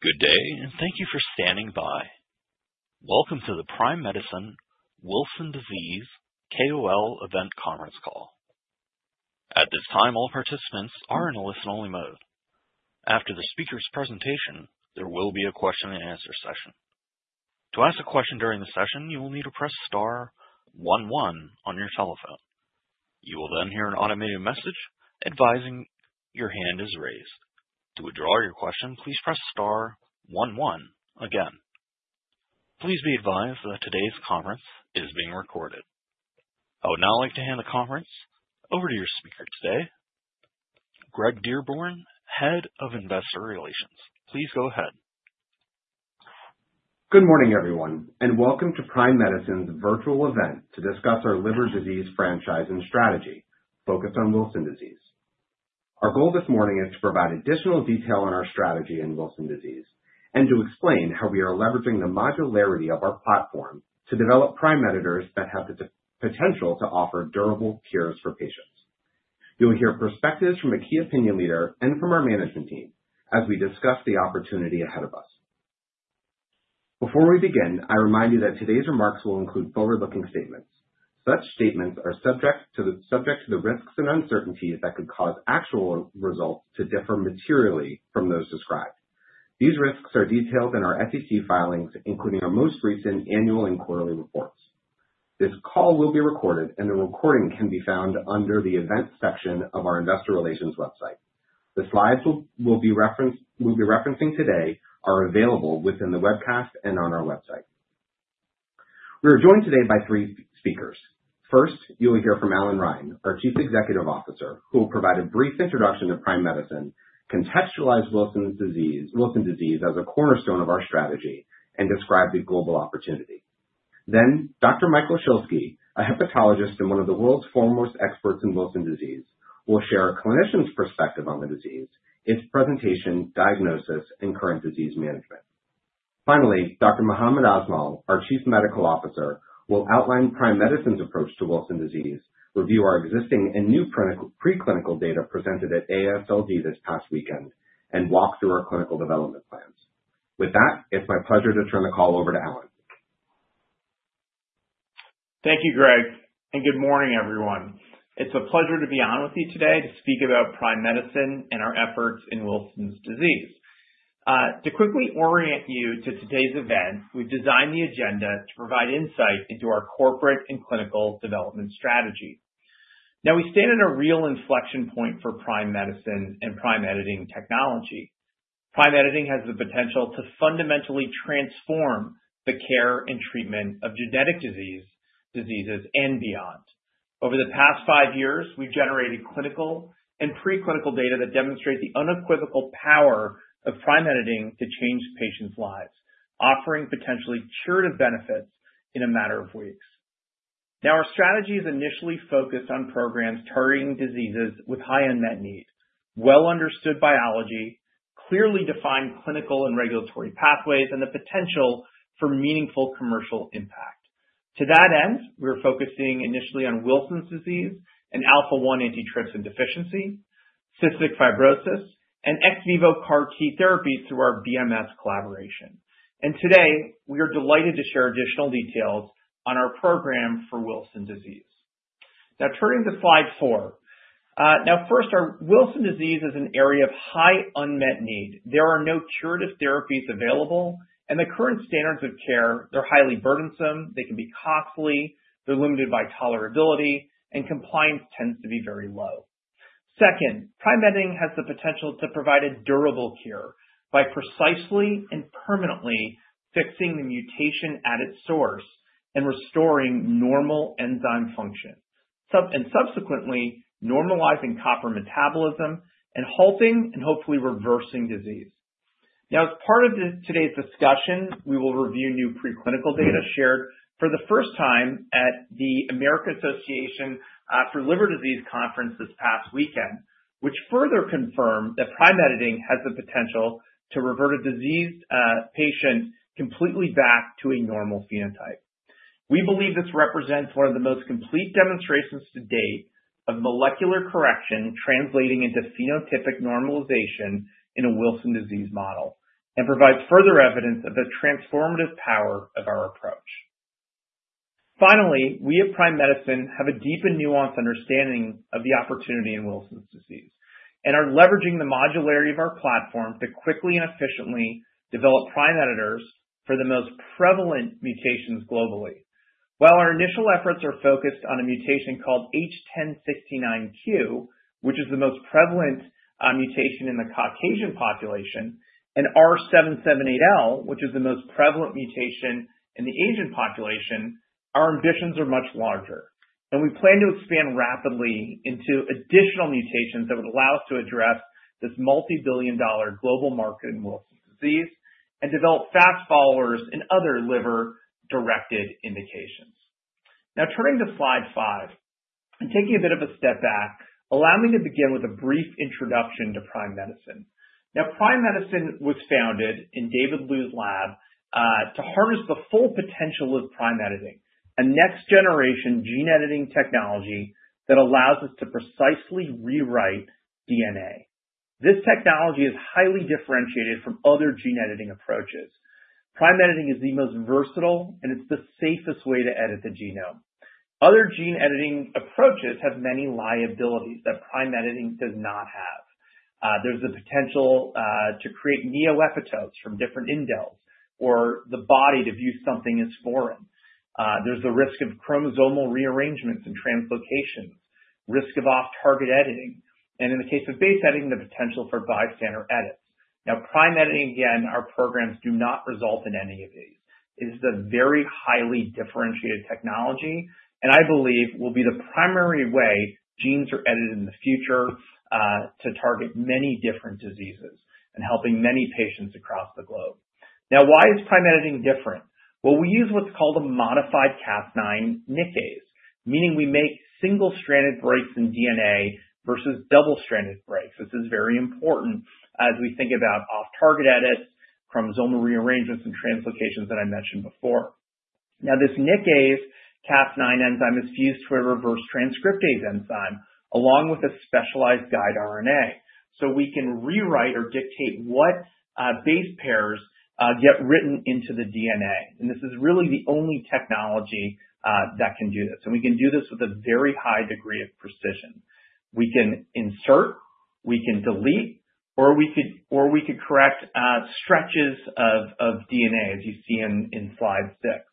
Good day, and thank you for standing by. Welcome to the Prime Medicine Wilson disease KOL event conference call. At this time, all participants are in a listen-only mode. After the speaker's presentation, there will be a question-and-answer session. To ask a question during the session, you will need to press star 11 on your telephone. You will then hear an automated message advising your hand is raised. To withdraw your question, please press star 11 again. Please be advised that today's conference is being recorded. I would now like to hand the conference over to your speaker today, Greg Dearborn, Head of Investor Relations. Please go ahead. Good morning, everyone, and welcome to Prime Medicine's virtual event to discuss our liver disease franchise and strategy focused on Wilson disease. Our goal this morning is to provide additional detail on our strategy in Wilson disease and to explain how we are leveraging the modularity of our platform to develop prime editors that have the potential to offer durable cures for patients. You'll hear perspectives from a key opinion leader and from our management team as we discuss the opportunity ahead of us. Before we begin, I remind you that today's remarks will include forward-looking statements. Such statements are subject to the risks and uncertainties that could cause actual results to differ materially from those described. These risks are detailed in our SEC filings, including our most recent annual and quarterly reports. This call will be recorded, and the recording can be found under the event section of our investor relations website. The slides we'll be referencing today are available within the webcast and on our website. We are joined today by three speakers. First, you will hear from Allan Reine, our Chief Financial Officer, who will provide a brief introduction to Prime Medicine, contextualize Wilson disease as a cornerstone of our strategy, and describe the global opportunity. Then, Dr. Michael Schilsky, a hepatologist and one of the world's foremost experts in Wilson disease, will share a clinician's perspective on the disease, its presentation, diagnosis, and current disease management. Finally, Dr. Mohammed Asmal, our Chief Medical Officer, will outline Prime Medicine's approach to Wilson disease, review our existing and new preclinical data presented at AASLD this past weekend, and walk through our clinical development plans. With that, it's my pleasure to turn the call over to Allan. Thank you, Greg, and good morning, everyone. It's a pleasure to be on with you today to speak about Prime Medicine and our efforts in Wilson disease. To quickly orient you to today's event, we've designed the agenda to provide insight into our corporate and clinical development strategy. Now, we stand at a real inflection point for Prime Medicine and prime editing technology. Prime editing has the potential to fundamentally transform the care and treatment of genetic diseases and beyond. Over the past five years, we've generated clinical and preclinical data that demonstrate the unequivocal power of prime editing to change patients' lives, offering potentially curative benefits in a matter of weeks. Now, our strategy is initially focused on programs targeting diseases with high unmet need, well-understood biology, clearly defined clinical and regulatory pathways, and the potential for meaningful commercial impact. To that end, we're focusing initially on Wilson disease and alpha-1 antitrypsin deficiency, cystic fibrosis, and ex vivo CAR-T therapy through our BMS collaboration. And today, we are delighted to share additional details on our program for Wilson disease. Now, turning to slide four. Now, first, our Wilson disease is an area of high unmet need. There are no curative therapies available, and the current standards of care, they're highly burdensome, they can be costly, they're limited by tolerability, and compliance tends to be very low. Second, prime editing has the potential to provide a durable cure by precisely and permanently fixing the mutation at its source and restoring normal enzyme function, and subsequently normalizing copper metabolism and halting and hopefully reversing disease. Now, as part of today's discussion, we will review new preclinical data shared for the first time at the American Association for the Study of Liver Diseases Conference this past weekend, which further confirmed that prime editing has the potential to revert a diseased patient completely back to a normal phenotype. We believe this represents one of the most complete demonstrations to date of molecular correction translating into phenotypic normalization in a Wilson disease model and provides further evidence of the transformative power of our approach. Finally, we at Prime Medicine have a deep and nuanced understanding of the opportunity in Wilson's disease and are leveraging the modularity of our platform to quickly and efficiently develop prime editors for the most prevalent mutations globally. While our initial efforts are focused on a mutation called H1069Q, which is the most prevalent mutation in the Caucasian population, and R778L, which is the most prevalent mutation in the Asian population, our ambitions are much larger, and we plan to expand rapidly into additional mutations that would allow us to address this multi-billion-dollar global market in Wilson's disease and develop fast followers and other liver-directed indications. Now, turning to slide five and taking a bit of a step back, allow me to begin with a brief introduction to Prime Medicine. Now, Prime Medicine was founded in David Liu's lab to harness the full potential of prime editing, a next-generation gene editing technology that allows us to precisely rewrite DNA. This technology is highly differentiated from other gene editing approaches. Prime Editing is the most versatile, and it's the safest way to edit the genome. Other gene editing approaches have many liabilities that prime editing does not have. There's the potential to create neoepitopes from different indels or the body to view something as foreign. There's the risk of chromosomal rearrangements and translocations, risk of off-target editing, and in the case of base editing, the potential for bystander edits. Now, prime editing, again, our programs do not result in any of these. It is the very highly differentiated technology, and I believe will be the primary way genes are edited in the future to target many different diseases and helping many patients across the globe. Now, why is prime editing different? Well, we use what's called a modified Cas9 nickase, meaning we make single-stranded breaks in DNA versus double-stranded breaks. This is very important as we think about off-target edits, chromosomal rearrangements, and translocations that I mentioned before. Now, this Cas9 nickase enzyme is fused to a reverse transcriptase enzyme along with a specialized guide RNA so we can rewrite or dictate what base pairs get written into the DNA, and this is really the only technology that can do this, and we can do this with a very high degree of precision. We can insert, we can delete, or we could correct stretches of DNA, as you see in slide six,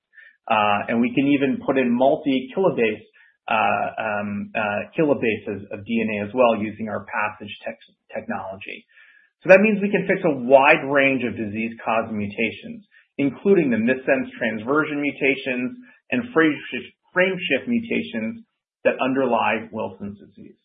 and we can even put in multi-kilobase of DNA as well using our PASSIGE technology, so that means we can fix a wide range of disease-causing mutations, including the missense transversion mutations and frameshift mutations that underlie Wilson's disease.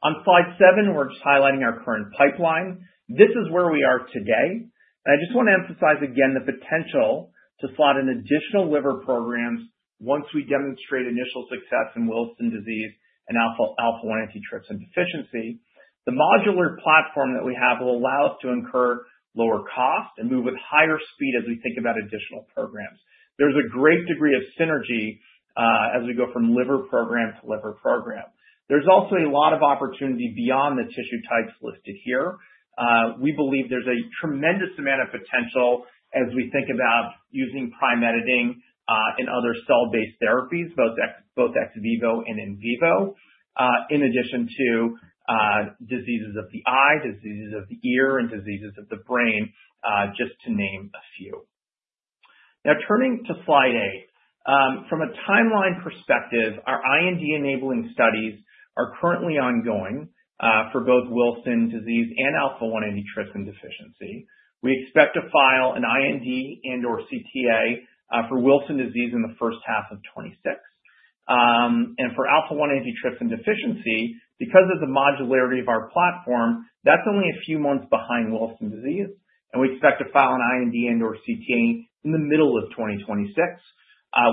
On slide seven, we're just highlighting our current pipeline. This is where we are today. I just want to emphasize again the potential to slot in additional liver programs once we demonstrate initial success in Wilson disease and alpha-1 antitrypsin deficiency. The modular platform that we have will allow us to incur lower cost and move with higher speed as we think about additional programs. There's a great degree of synergy as we go from liver program to liver program. There's also a lot of opportunity beyond the tissue types listed here. We believe there's a tremendous amount of potential as we think about using prime editing in other cell-based therapies, both ex vivo and in vivo, in addition to diseases of the eye, diseases of the ear, and diseases of the brain, just to name a few. Now, turning to slide eight, from a timeline perspective, our IND-enabling studies are currently ongoing for both Wilson disease and alpha-1 antitrypsin deficiency. We expect to file an IND and/or CTA for Wilson disease in the first half of 2026, and for alpha-1 antitrypsin deficiency, because of the modularity of our platform, that's only a few months behind Wilson disease, and we expect to file an IND and/or CTA in the middle of 2026,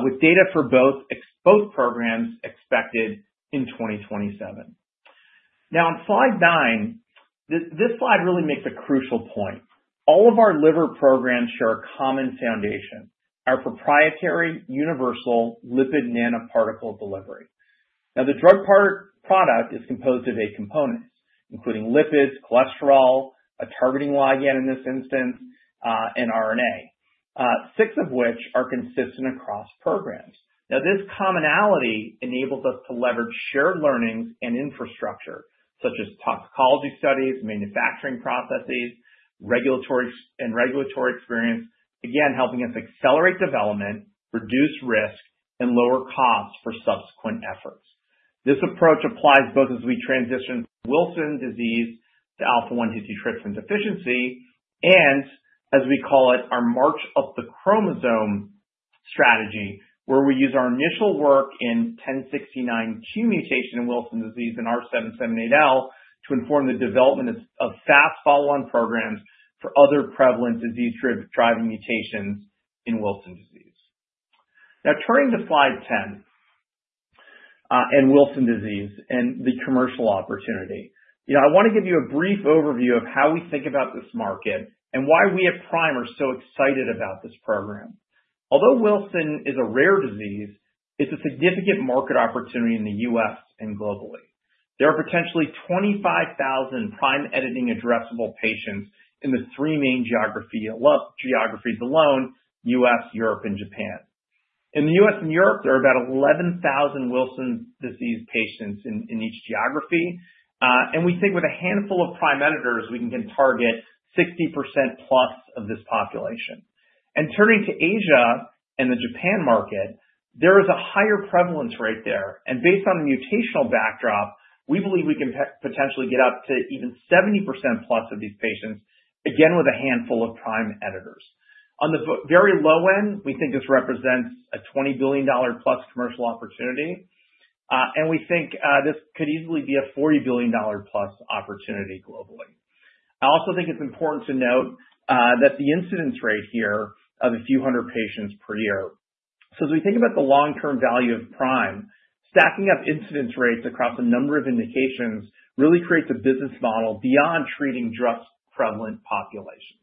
with data for both programs expected in 2027. Now, on slide nine, this slide really makes a crucial point. All of our liver programs share a common foundation, our proprietary universal lipid nanoparticle delivery. Now, the drug product is composed of eight components, including lipids, cholesterol, a targeting ligand in this instance, and RNA, six of which are consistent across programs. Now, this commonality enables us to leverage shared learnings and infrastructure, such as toxicology studies, manufacturing processes, and regulatory experience, again, helping us accelerate development, reduce risk, and lower costs for subsequent efforts. This approach applies both as we transition from Wilson disease to alpha-1 antitrypsin deficiency and, as we call it, our March of the Chromosome strategy, where we use our initial work in H1069Q mutation in Wilson disease and R778L to inform the development of fast follow-on programs for other prevalent disease-driving mutations in Wilson disease. Now, turning to slide 10 and Wilson disease and the commercial opportunity, I want to give you a brief overview of how we think about this market and why we at Prime are so excited about this program. Although Wilson is a rare disease, it's a significant market opportunity in the US and globally. There are potentially 25,000 prime editing addressable patients in the three main geographies alone: US, Europe, and Japan. In the US and Europe, there are about 11,000 Wilson disease patients in each geography. We think with a handful of prime editors, we can target 60% plus of this population. Turning to Asia and the Japan market, there is a higher prevalence rate there. Based on the mutational backdrop, we believe we can potentially get up to even 70% plus of these patients, again, with a handful of prime editors. On the very low end, we think this represents a $20 billion plus commercial opportunity. We think this could easily be a $40 billion plus opportunity globally. I also think it's important to note that the incidence rate here of a few hundred patients per year. So as we think about the long-term value of Prime, stacking up incidence rates across a number of indications really creates a business model beyond treating just prevalent populations.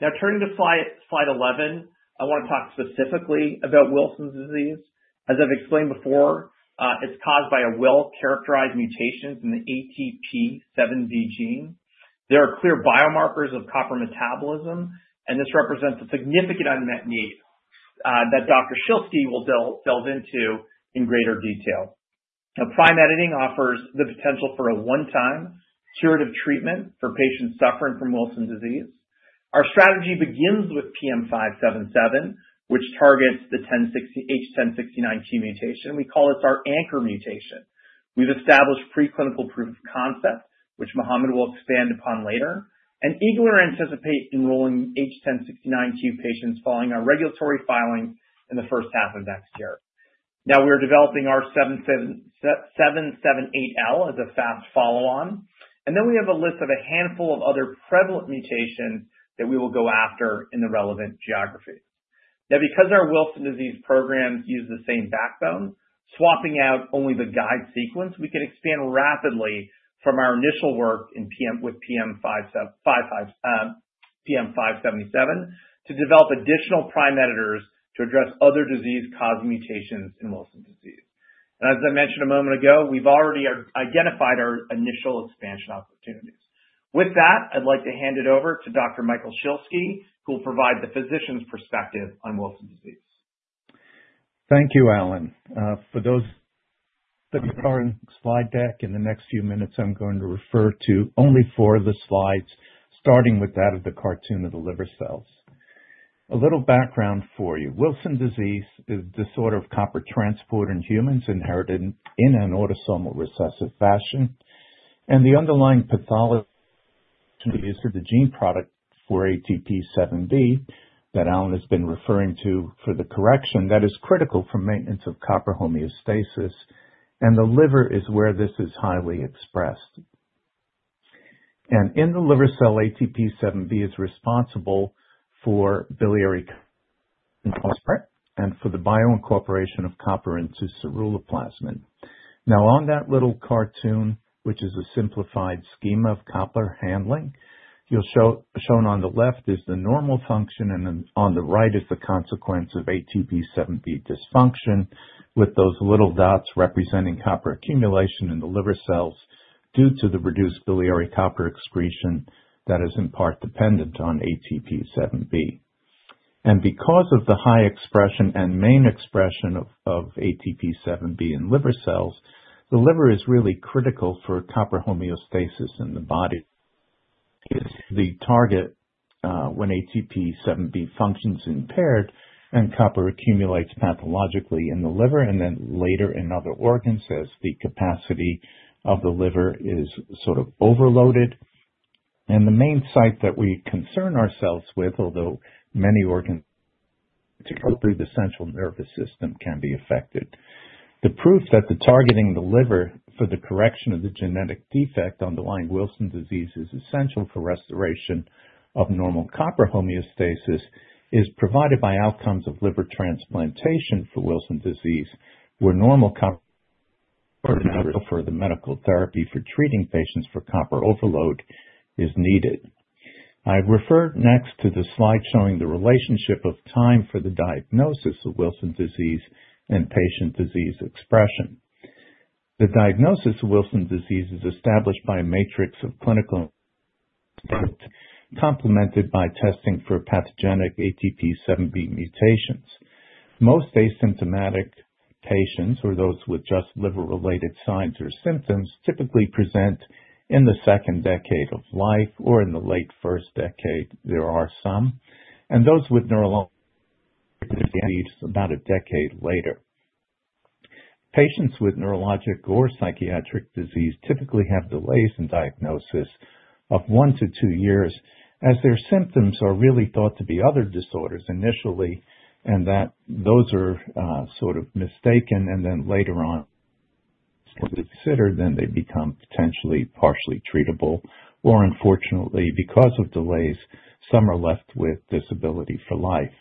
Now, turning to slide 11, I want to talk specifically about Wilson's disease. As I've explained before, it's caused by a well-characterized mutation in the ATP7B gene. There are clear biomarkers of copper metabolism, and this represents a significant unmet need that Dr. Schilsky will delve into in greater detail. Now, prime editing offers the potential for a one-time curative treatment for patients suffering from Wilson disease. Our strategy begins with PM577, which targets the H1069Q mutation. We call this our anchor mutation. We've established preclinical proof of concept, which Mohammed will expand upon later. And we anticipate enrolling H1069Q patients following our regulatory filing in the first half of next year. Now, we're developing R778L as a fast follow-on. And then we have a list of a handful of other prevalent mutations that we will go after in the relevant geographies. Now, because our Wilson disease programs use the same backbone, swapping out only the guide sequence, we can expand rapidly from our initial work with PM577 to develop additional prime editors to address other disease-causing mutations in Wilson disease. And as I mentioned a moment ago, we've already identified our initial expansion opportunities. With that, I'd like to hand it over to Dr. Michael Schilsky, who will provide the physician's perspective on Wilson disease. Thank you, Allan. For those that are on the slide deck in the next few minutes, I'm going to refer to only four of the slides, starting with that of the cartoon of the liver cells. A little background for you. Wilson disease is a disorder of copper transport in humans inherited in an autosomal recessive fashion. And the underlying pathology is the gene product for ATP7B that Allan has been referring to for the correction that is critical for maintenance of copper homeostasis. And the liver is where this is highly expressed. And in the liver cell, ATP7B is responsible for biliary and for the bioincorporation of copper into ceruloplasmin. Now, on that little cartoon, which is a simplified schema of copper handling, shown on the left is the normal function, and on the right is the consequence of ATP7B dysfunction, with those little dots representing copper accumulation in the liver cells due to the reduced biliary copper excretion that is in part dependent on ATP7B. And because of the high expression and main expression of ATP7B in liver cells, the liver is really critical for copper homeostasis in the body. It's the target when ATP7B functions impaired and copper accumulates pathologically in the liver and then later in other organs as the capacity of the liver is sort of overloaded, and the main site that we concern ourselves with, although many organs through the central nervous system can be affected. The proof that the targeting of the liver for the correction of the genetic defect underlying Wilson disease is essential for restoration of normal copper homeostasis is provided by outcomes of liver transplantation for Wilson disease, where normal copper for the medical therapy for treating patients for copper overload is needed. I refer next to the slide showing the relationship of time for the diagnosis of Wilson disease and patient disease expression. The diagnosis of Wilson disease is established by a matrix of clinical complemented by testing for pathogenic ATP7B mutations. Most asymptomatic patients, or those with just liver-related signs or symptoms, typically present in the second decade of life or in the late first decade. There are some and those with neurologic disease about a decade later. Patients with neurologic or psychiatric disease typically have delays in diagnosis of one to two years as their symptoms are really thought to be other disorders initially, and those are sort of mistaken and then later on, when considered, then they become potentially partially treatable, or unfortunately, because of delays, some are left with disability for life.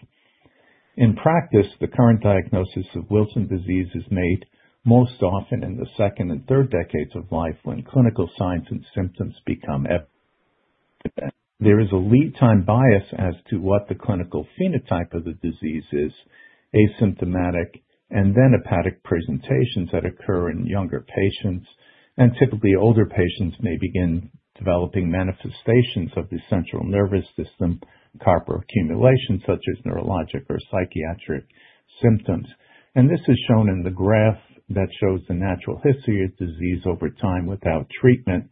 In practice, the current diagnosis of Wilson disease is made most often in the second and third decades of life when clinical signs and symptoms become evident. There is a lead time bias as to what the clinical phenotype of the disease is, asymptomatic and then hepatic presentations that occur in younger patients. Typically, older patients may begin developing manifestations of the central nervous system, copper accumulation, such as neurologic or psychiatric symptoms. This is shown in the graph that shows the natural history of disease over time without treatment.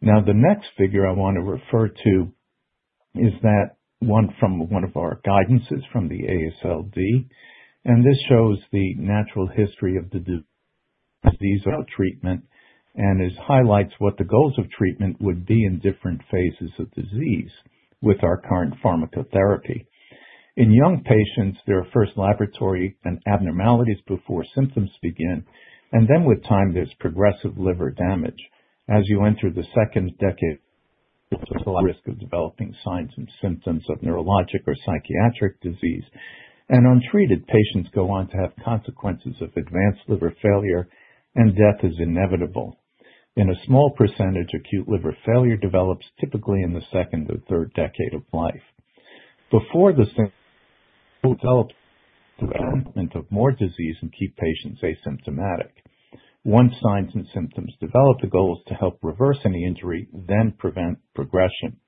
Now, the next figure I want to refer to is that one from one of our guidances from the AASLD. This shows the natural history of the disease without treatment and highlights what the goals of treatment would be in different phases of disease with our current pharmacotherapy. In young patients, there are first laboratory abnormalities before symptoms begin. Then with time, there's progressive liver damage. As you enter the second decade, there's a risk of developing signs and symptoms of neurologic or psychiatric disease. Untreated patients go on to have consequences of advanced liver failure, and death is inevitable. A small percentage of acute liver failure develops typically in the second or third decade of life. Before the development of more disease and keep patients asymptomatic, once signs and symptoms develop, the goal is to help reverse any injury, then prevent progression.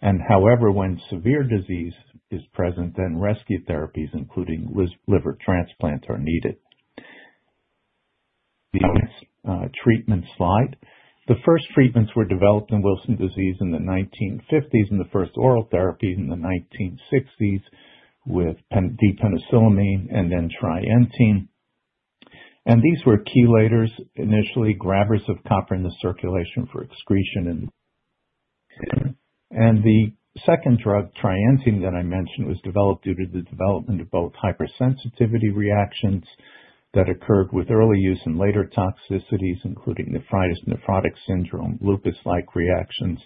However, when severe disease is present, then rescue therapies, including liver transplant, are needed. The treatment slide. The first treatments were developed in Wilson disease in the 1950s and the first oral therapies in the 1960s with D-penicillamine and then trientine. These were chelators, initially grabbers of copper in the circulation for excretion. The second drug, trientine, that I mentioned was developed due to the development of both hypersensitivity reactions that occurred with early use and later toxicities, including nephritis, nephrotic syndrome, lupus-like reactions,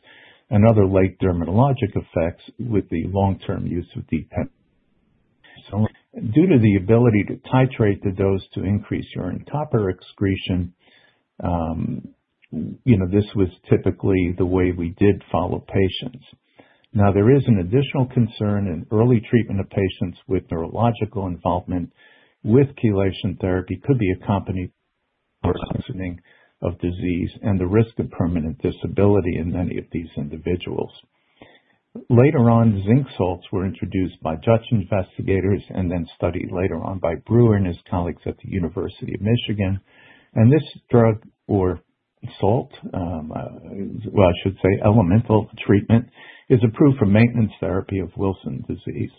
and other late dermatologic effects with the long-term use of D-penicillamine. Due to the ability to titrate the dose to increase urine copper excretion, this was typically the way we did follow patients. Now, there is an additional concern in early treatment of patients with neurological involvement with chelation therapy could be accompanied by worsening of disease and the risk of permanent disability in many of these individuals. Later on, zinc salts were introduced by Dutch investigators and then studied later on by Brewer and his colleagues at the University of Michigan, and this drug, or salt, well, I should say elemental treatment, is approved for maintenance therapy of Wilson disease.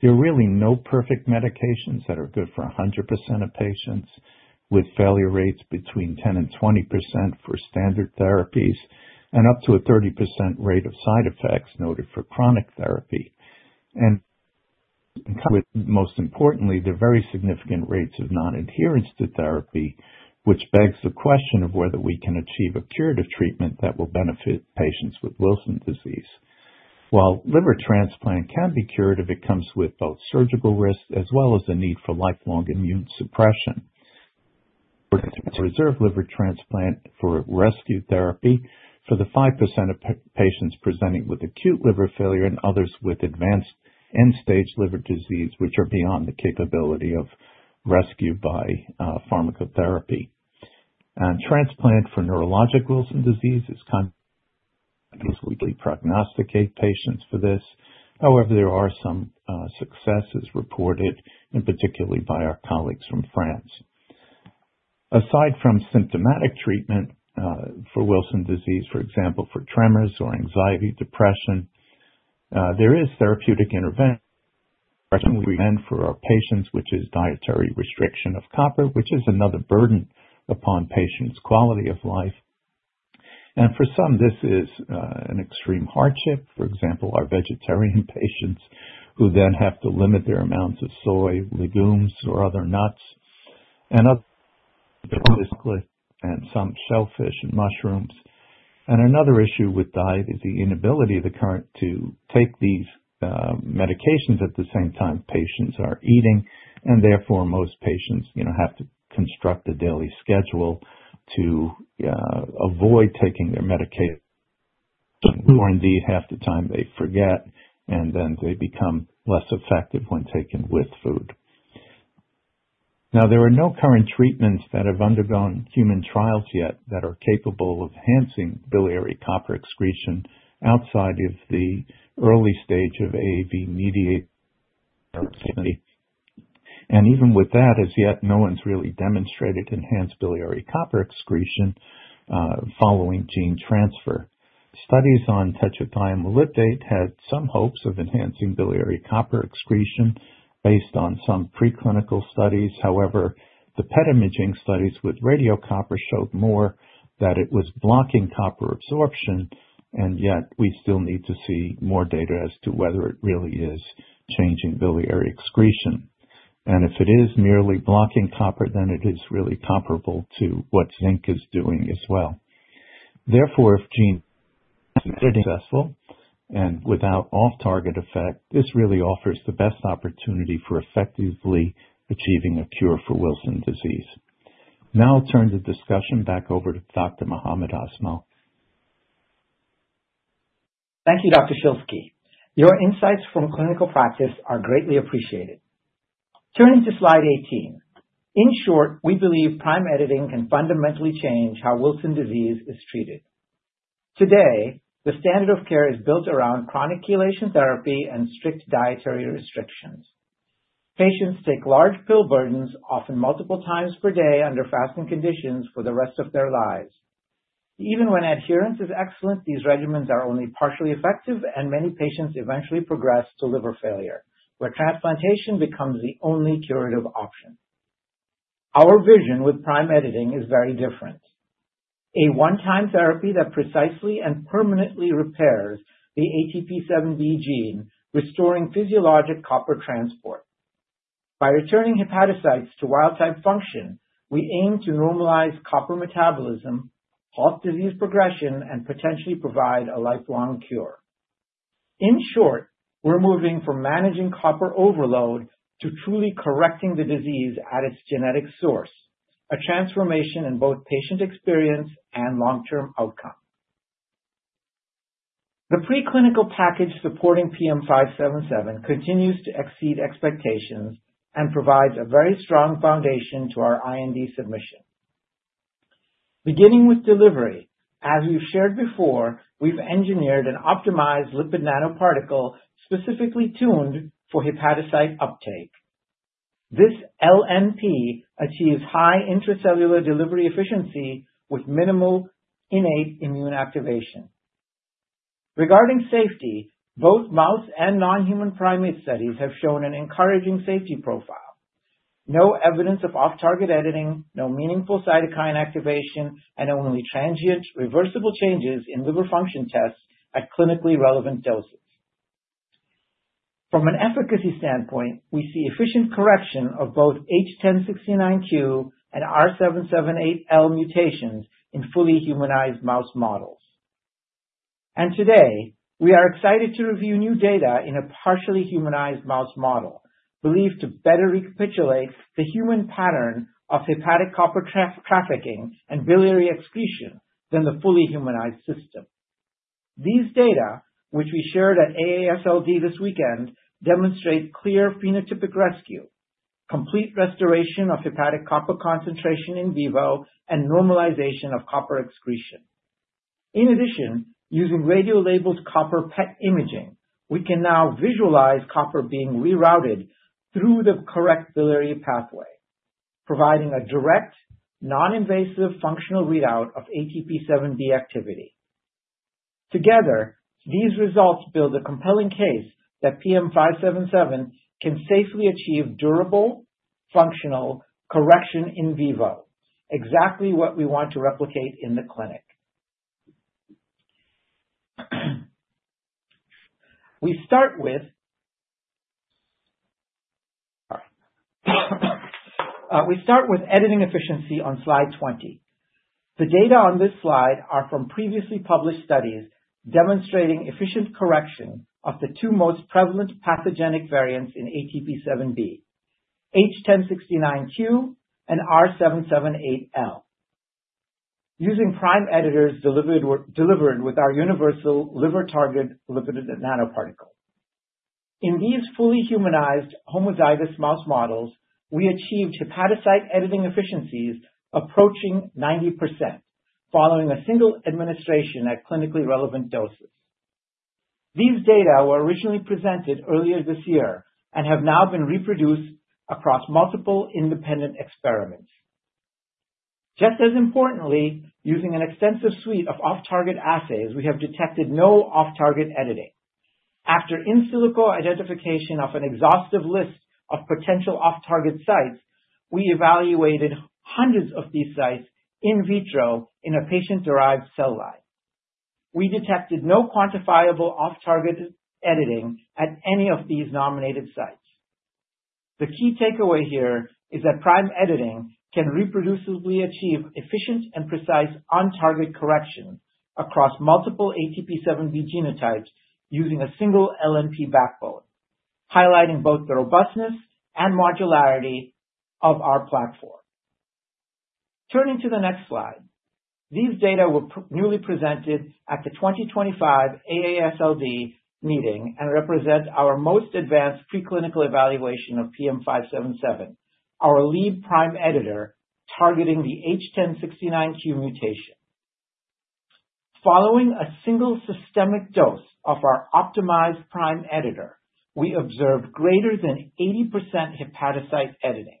There are really no perfect medications that are good for 100% of patients with failure rates between 10% to 20% for standard therapies and up to a 30% rate of side effects noted for chronic therapy. Most importantly, there are very significant rates of non-adherence to therapy, which begs the question of whether we can achieve a curative treatment that will benefit patients with Wilson disease. While liver transplant can be curative, it comes with both surgical risks as well as the need for lifelong immune suppression. Reserve liver transplant for rescue therapy for the 5% of patients presenting with acute liver failure and others with advanced end-stage liver disease, which are beyond the capability of rescue by pharmacotherapy. Transplant for neurologic Wilson disease is commonly used to prognosticate patients for this. However, there are some successes reported, and particularly by our colleagues from France. Aside from symptomatic treatment for Wilson disease, for example, for tremors or anxiety, depression, there is therapeutic intervention for our patients, which is dietary restriction of copper, which is another burden upon patients' quality of life. And for some, this is an extreme hardship. For example, our vegetarian patients who then have to limit their amounts of soy, legumes, or other nuts, and some shellfish and mushrooms. And another issue with diet is the inability of the current to take these medications at the same time patients are eating. And therefore, most patients have to construct a daily schedule to avoid taking their medication, or indeed, half the time they forget, and then they become less effective when taken with food. Now, there are no current treatments that have undergone human trials yet that are capable of enhancing biliary copper excretion outside of the early stage of AAV -mediated. And even with that, as yet, no one's really demonstrated enhanced biliary copper excretion following gene transfer. Studies on tetrathiomolybdate had some hopes of enhancing biliary copper excretion based on some preclinical studies. However, the PET imaging studies with radiocopper showed more that it was blocking copper absorption. And yet, we still need to see more data as to whether it really is changing biliary excretion. And if it is merely blocking copper, then it is really comparable to what zinc is doing as well. Therefore, if gene is successful and without off-target effect, this really offers the best opportunity for effectively achieving a cure for Wilson disease. Now, I'll turn the discussion back over to Dr. Mohammed Asmal. Thank you, Dr. Schilsky. Your insights from clinical practice are greatly appreciated. Turning to slide 18. In short, we believe prime editing can fundamentally change how Wilson disease is treated. Today, the standard of care is built around chronic chelation therapy and strict dietary restrictions. Patients take large pill burdens, often multiple times per day under fasting conditions, for the rest of their lives. Even when adherence is excellent, these regimens are only partially effective, and many patients eventually progress to liver failure, where transplantation becomes the only curative option. Our vision with prime editing is very different. A one-time therapy that precisely and permanently repairs the ATP7B gene, restoring physiologic copper transport. By returning hepatocytes to wild-type function, we aim to normalize copper metabolism, halt disease progression, and potentially provide a lifelong cure. In short, we're moving from managing copper overload to truly correcting the disease at its genetic source, a transformation in both patient experience and long-term outcome. The preclinical package supporting PM577 continues to exceed expectations and provides a very strong foundation to our IND submission. Beginning with delivery, as we've shared before, we've engineered an optimized lipid nanoparticle specifically tuned for hepatocyte uptake. This LNP achieves high intracellular delivery efficiency with minimal innate immune activation. Regarding safety, both mouse and non-human primate studies have shown an encouraging safety profile. No evidence of off-target editing, no meaningful cytokine activation, and only transient reversible changes in liver function tests at clinically relevant doses. From an efficacy standpoint, we see efficient correction of both H1069Q and R778L mutations in fully humanized mouse models. And today, we are excited to review new data in a partially humanized mouse model believed to better recapitulate the human pattern of hepatic copper trafficking and biliary excretion than the fully humanized system. These data, which we shared at AASLD this weekend, demonstrate clear phenotypic rescue, complete restoration of hepatic copper concentration in vivo, and normalization of copper excretion. In addition, using radio-labeled copper PET imaging, we can now visualize copper being rerouted through the correct biliary pathway, providing a direct, non-invasive functional readout of ATP7B activity. Together, these results build a compelling case that PM577 can safely achieve durable functional correction in vivo, exactly what we want to replicate in the clinic. We start with editing efficiency on slide 20. The data on this slide are from previously published studies demonstrating efficient correction of the two most prevalent pathogenic variants in ATP7B, H1069Q and R778L, using prime editors delivered with our universal liver-targeted lipid nanoparticle. In these fully humanized homozygous mouse models, we achieved hepatocyte editing efficiencies approaching 90% following a single administration at clinically relevant doses. These data were originally presented earlier this year and have now been reproduced across multiple independent experiments. Just as importantly, using an extensive suite of off-target assays, we have detected no off-target editing. After in silico identification of an exhaustive list of potential off-target sites, we evaluated hundreds of these sites in vitro in a patient-derived cell line. We detected no quantifiable off-target editing at any of these nominated sites. The key takeaway here is that prime editing can reproducibly achieve efficient and precise on-target correction across multiple ATP7B genotypes using a single LNP backbone, highlighting both the robustness and modularity of our platform. Turning to the next slide, these data were newly presented at the 2025 AASLD meeting and represent our most advanced preclinical evaluation of PM577, our lead prime editor targeting the H1069Q mutation. Following a single systemic dose of our optimized prime editor, we observed greater than 80% hepatocyte editing.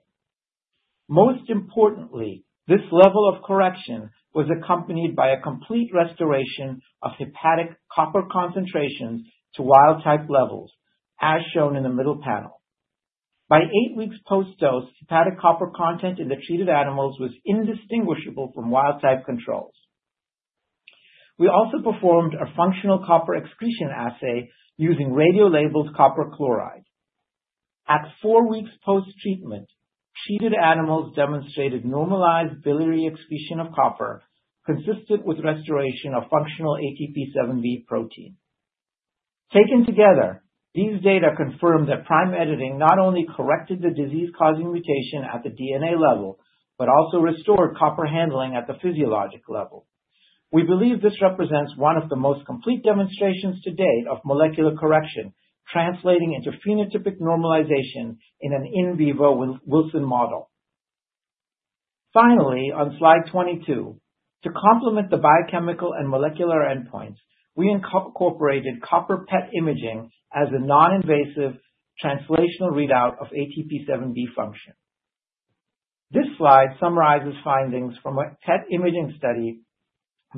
Most importantly, this level of correction was accompanied by a complete restoration of hepatic copper concentrations to wild-type levels, as shown in the middle panel. By eight weeks post-dose, hepatic copper content in the treated animals was indistinguishable from wild-type controls. We also performed a functional copper excretion assay using radio-labeled copper chloride. At four weeks post-treatment, treated animals demonstrated normalized biliary excretion of copper consistent with restoration of functional ATP7B protein. Taken together, these data confirm that prime editing not only corrected the disease-causing mutation at the DNA level but also restored copper handling at the physiologic level. We believe this represents one of the most complete demonstrations to date of molecular correction translating into phenotypic normalization in an in vivo Wilson model. Finally, on slide 22, to complement the biochemical and molecular endpoints, we incorporated copper PET imaging as a non-invasive translational readout of ATP7B function. This slide summarizes findings from a PET imaging study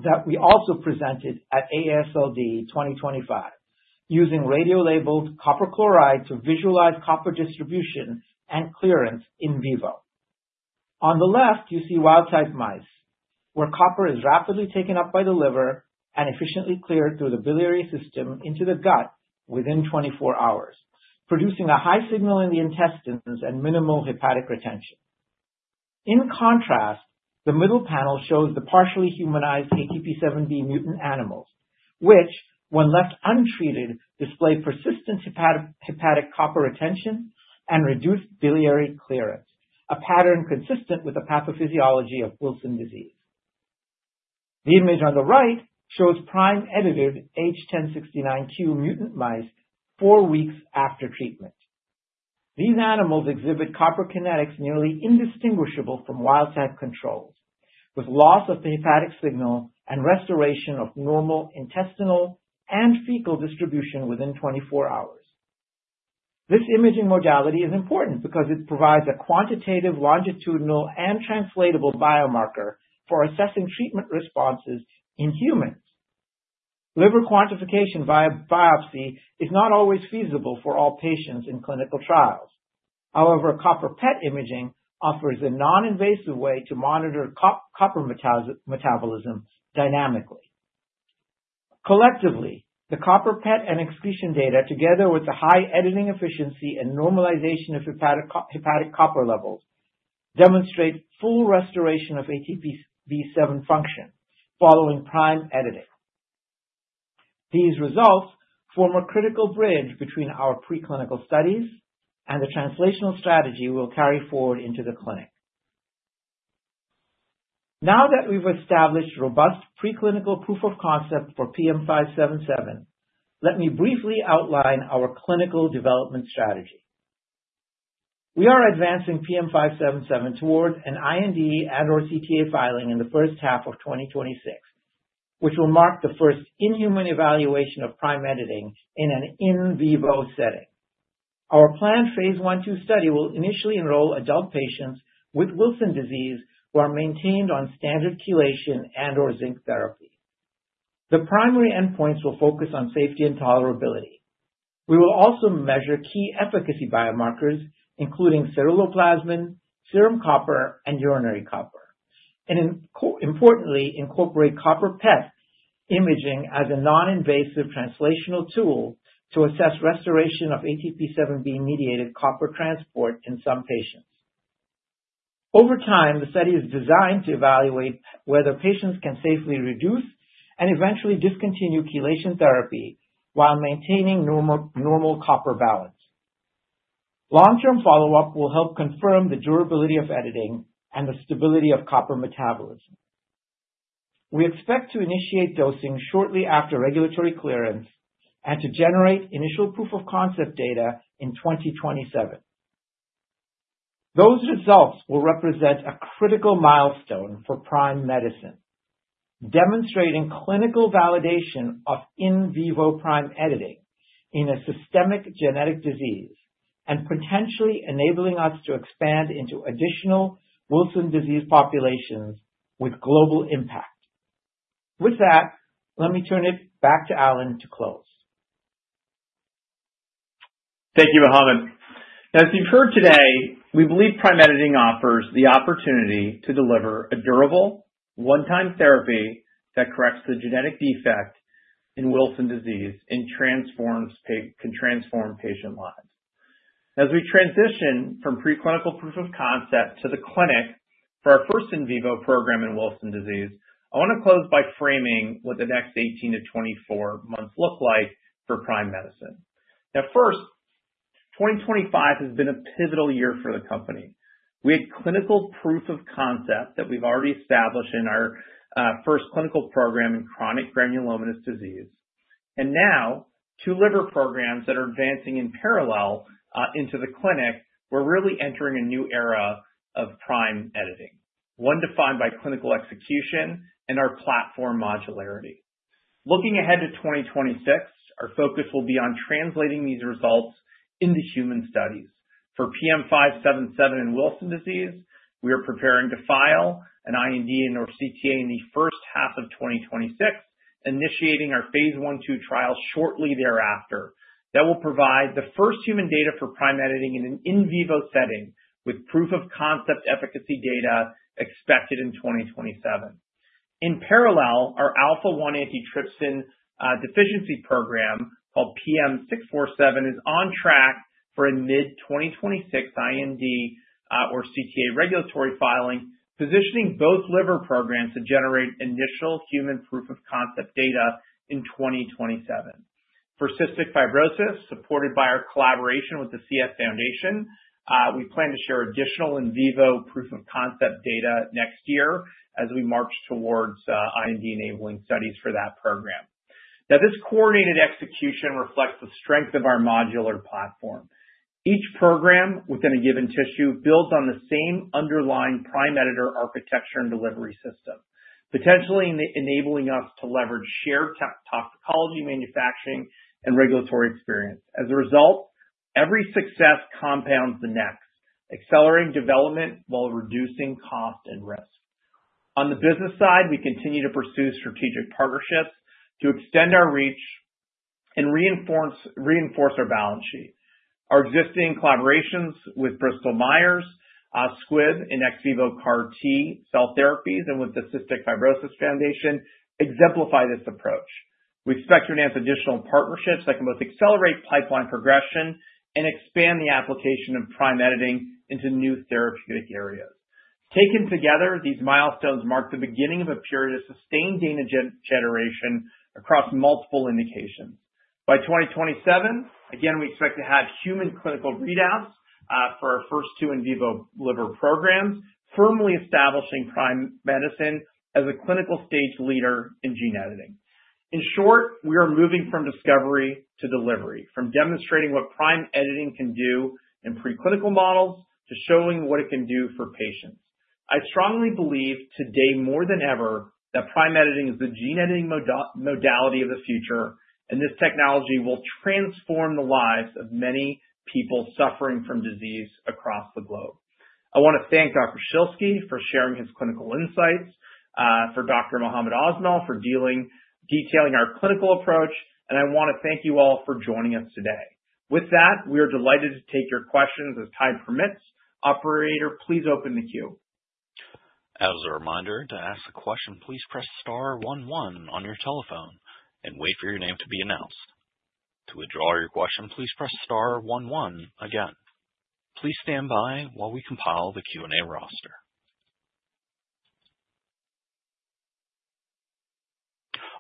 that we also presented at AASLD 2024 using radio-labeled copper chloride to visualize copper distribution and clearance in vivo. On the left, you see wild-type mice, where copper is rapidly taken up by the liver and efficiently cleared through the biliary system into the gut within 24 hours, producing a high signal in the intestines and minimal hepatic retention. In contrast, the middle panel shows the partially humanized ATP7B mutant animals, which, when left untreated, display persistent hepatic copper retention and reduced biliary clearance, a pattern consistent with the pathophysiology of Wilson disease. The image on the right shows prime-edited H1069Q mutant mice four weeks after treatment. These animals exhibit copper kinetics nearly indistinguishable from wild-type controls, with loss of the hepatic signal and restoration of normal intestinal and fecal distribution within 24 hours. This imaging modality is important because it provides a quantitative, longitudinal, and translatable biomarker for assessing treatment responses in humans. Liver quantification via biopsy is not always feasible for all patients in clinical trials. However, copper PET imaging offers a non-invasive way to monitor copper metabolism dynamically. Collectively, the copper PET and excretion data, together with the high editing efficiency and normalization of hepatic copper levels, demonstrate full restoration of ATP7B function following prime editing. These results form a critical bridge between our preclinical studies and the translational strategy we'll carry forward into the clinic. Now that we've established robust preclinical proof of concept for PM577, let me briefly outline our clinical development strategy. We are advancing PM577 towards an IND and/or CTA filing in the first half of 2026, which will mark the first in-human evaluation of prime editing in an in vivo setting. Our planned phase I/II study will initially enroll adult patients with Wilson disease who are maintained on standard chelation and/or zinc therapy. The primary endpoints will focus on safety and tolerability. We will also measure key efficacy biomarkers, including ceruloplasmin, serum copper, and urinary copper, and importantly, incorporate copper PET imaging as a non-invasive translational tool to assess restoration of ATP7B-mediated copper transport in some patients. Over time, the study is designed to evaluate whether patients can safely reduce and eventually discontinue chelation therapy while maintaining normal copper balance. Long-term follow-up will help confirm the durability of editing and the stability of copper metabolism. We expect to initiate dosing shortly after regulatory clearance and to generate initial proof of concept data in 2027. Those results will represent a critical milestone for Prime Medicine, demonstrating clinical validation of in vivo prime editing in a systemic genetic disease and potentially enabling us to expand into additional Wilson disease populations with global impact. With that, let me turn it back to Allan to close. Thank you, Mohammed. As you've heard today, we believe prime editing offers the opportunity to deliver a durable, one-time therapy that corrects the genetic defect in Wilson disease and can transform patient lives. As we transition from preclinical proof of concept to the clinic for our first in vivo program in Wilson disease, I want to close by framing what the next 18 to 24 months look like for Prime Medicine. Now, first, 2025 has been a pivotal year for the company. We had clinical proof of concept that we've already established in our first clinical program in chronic granulomatous disease. And now, two liver programs that are advancing in parallel into the clinic were really entering a new era of prime editing, one defined by clinical execution and our platform modularity. Looking ahead to 2026, our focus will be on translating these results into human studies. For PM577 in Wilson disease, we are preparing to file an IND and/or CTA in the first half of 2026, initiating our phase I/II trials shortly thereafter. That will provide the first human data for prime editing in an in vivo setting with proof of concept efficacy data expected in 2027. In parallel, our a lpha-1 antitrypsin deficiency program called PM647 is on track for a mid-2026 IND or CTA regulatory filing, positioning both liver programs to generate initial human proof of concept data in 2027. For cystic fibrosis, supported by our collaboration with the CF Foundation, we plan to share additional in vivo proof of concept data next year as we march towards IND-enabling studies for that program. Now, this coordinated execution reflects the strength of our modular platform. Each program within a given tissue builds on the same underlying prime editor architecture and delivery system, potentially enabling us to leverage shared toxicology manufacturing and regulatory experience. As a result, every success compounds the next, accelerating development while reducing cost and risk. On the business side, we continue to pursue strategic partnerships to extend our reach and reinforce our balance sheet. Our existing collaborations with Bristol Myers Squibb and ex vivo CAR-T cell therapies, and with the Cystic Fibrosis Foundation exemplify this approach. We expect to enhance additional partnerships that can both accelerate pipeline progression and expand the application of prime editing into new therapeutic areas. Taken together, these milestones mark the beginning of a period of sustained data generation across multiple indications. By 2027, again, we expect to have human clinical readouts for our first two in vivo liver programs, firmly establishing Prime Medicine as a clinical stage leader in gene editing. In short, we are moving from discovery to delivery, from demonstrating what prime editing can do in preclinical models to showing what it can do for patients. I strongly believe today more than ever that prime editing is the gene editing modality of the future, and this technology will transform the lives of many people suffering from disease across the globe. I want to thank Dr. Schilsky for sharing his clinical insights, for Dr. Mohammed Asmal for detailing our clinical approach, and I want to thank you all for joining us today. With that, we are delighted to take your questions. As time permits, Operator, please open the queue. As a reminder, to ask a question, please press star 11 on your telephone and wait for your name to be announced. To withdraw your question, please press star 11 again. Please stand by while we compile the Q&A roster.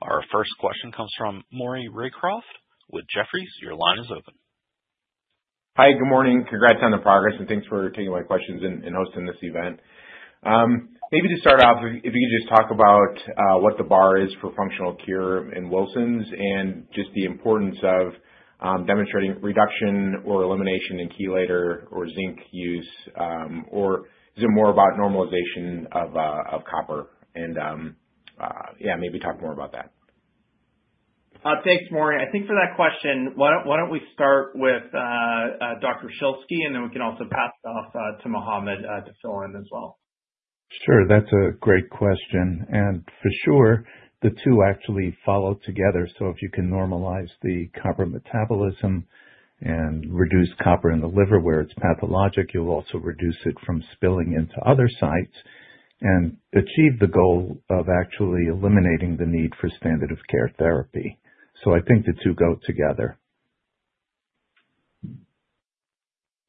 Our first question comes from Maury Raycroft with Jefferies. Your line is open. Hi, good morning. Congrats on the progress, and thanks for taking my questions and hosting this event. Maybe to start off, if you could just talk about what the bar is for functional cure in Wilson's and just the importance of demonstrating reduction or elimination in chelator or zinc use, or is it more about normalization of copper? And yeah, maybe talk more about that. Thanks, Maury. I think for that question, why don't we start with Dr. Schilsky, and then we can also pass it off to Mohammed to fill in as well. Sure. That's a great question. And for sure, the two actually follow together. So if you can normalize the copper metabolism and reduce copper in the liver where it's pathologic, you'll also reduce it from spilling into other sites and achieve the goal of actually eliminating the need for standard of care therapy. So I think the two go together.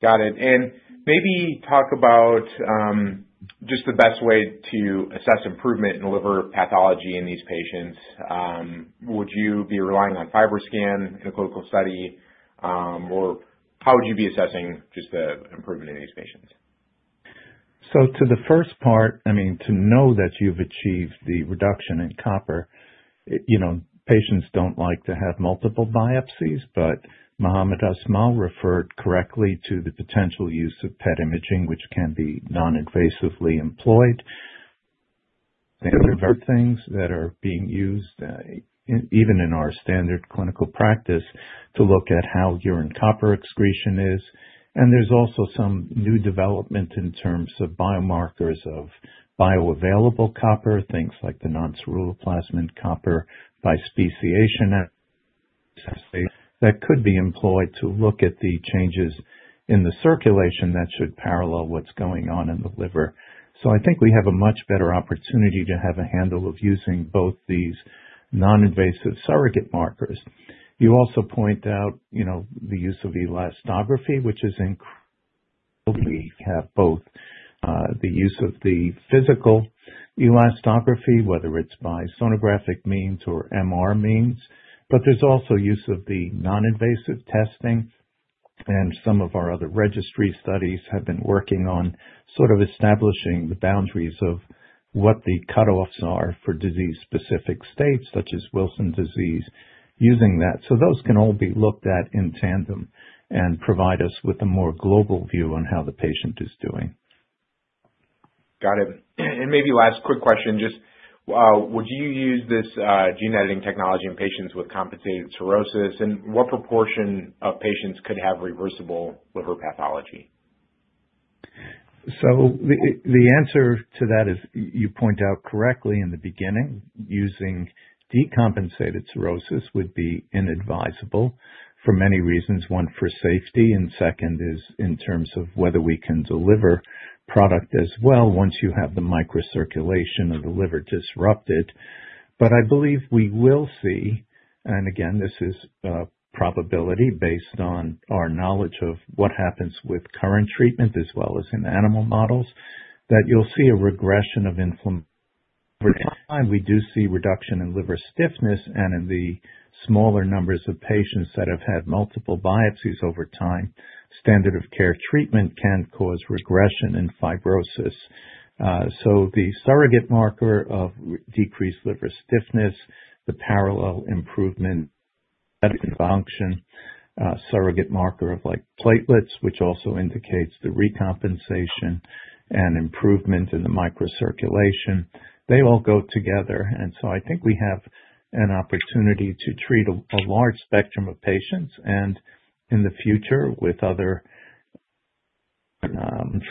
Got it. And maybe talk about just the best way to assess improvement in liver pathology in these patients. Would you be relying on FibroScan in a clinical study, or how would you be assessing just the improvement in these patients? So to the first part, I mean, to know that you've achieved the reduction in copper, patients don't like to have multiple biopsies, but Mohammed Asmal referred correctly to the potential use of PET imaging, which can be non-invasively employed. Those are things that are being used even in our standard clinical practice to look at how urine copper excretion is. And there's also some new development in terms of biomarkers of bioavailable copper, things like the non-ceruloplasmin copper by speciation that could be employed to look at the changes in the circulation that should parallel what's going on in the liver. So I think we have a much better opportunity to have a handle of using both these non-invasive surrogate markers. You also point out the use of elastography, which is incredible. We have both the use of the physical elastography, whether it's by sonographic means or MR means, but there's also use of the non-invasive testing. And some of our other registry studies have been working on sort of establishing the boundaries of what the cutoffs are for disease-specific states, such as Wilson disease, using that. So those can all be looked at in tandem and provide us with a more global view on how the patient is doing. Got it. And maybe last quick question, just would you use this gene editing technology in patients with compensated cirrhosis, and what proportion of patients could have reversible liver pathology? So the answer to that is you point out correctly in the beginning, using decompensated cirrhosis would be inadvisable for many reasons. One, for safety, and second is in terms of whether we can deliver product as well once you have the microcirculation of the liver disrupted. But I believe we will see, and again, this is probability based on our knowledge of what happens with current treatment as well as in animal models, that you'll see a regression of inflammation. Over time, we do see reduction in liver stiffness, and in the smaller numbers of patients that have had multiple biopsies over time, standard of care treatment can cause regression in fibrosis. So the surrogate marker of decreased liver stiffness, the parallel improvement in function, surrogate marker of platelets, which also indicates the recompensation and improvement in the microcirculation, they all go together. And so I think we have an opportunity to treat a large spectrum of patients. And in the future, with other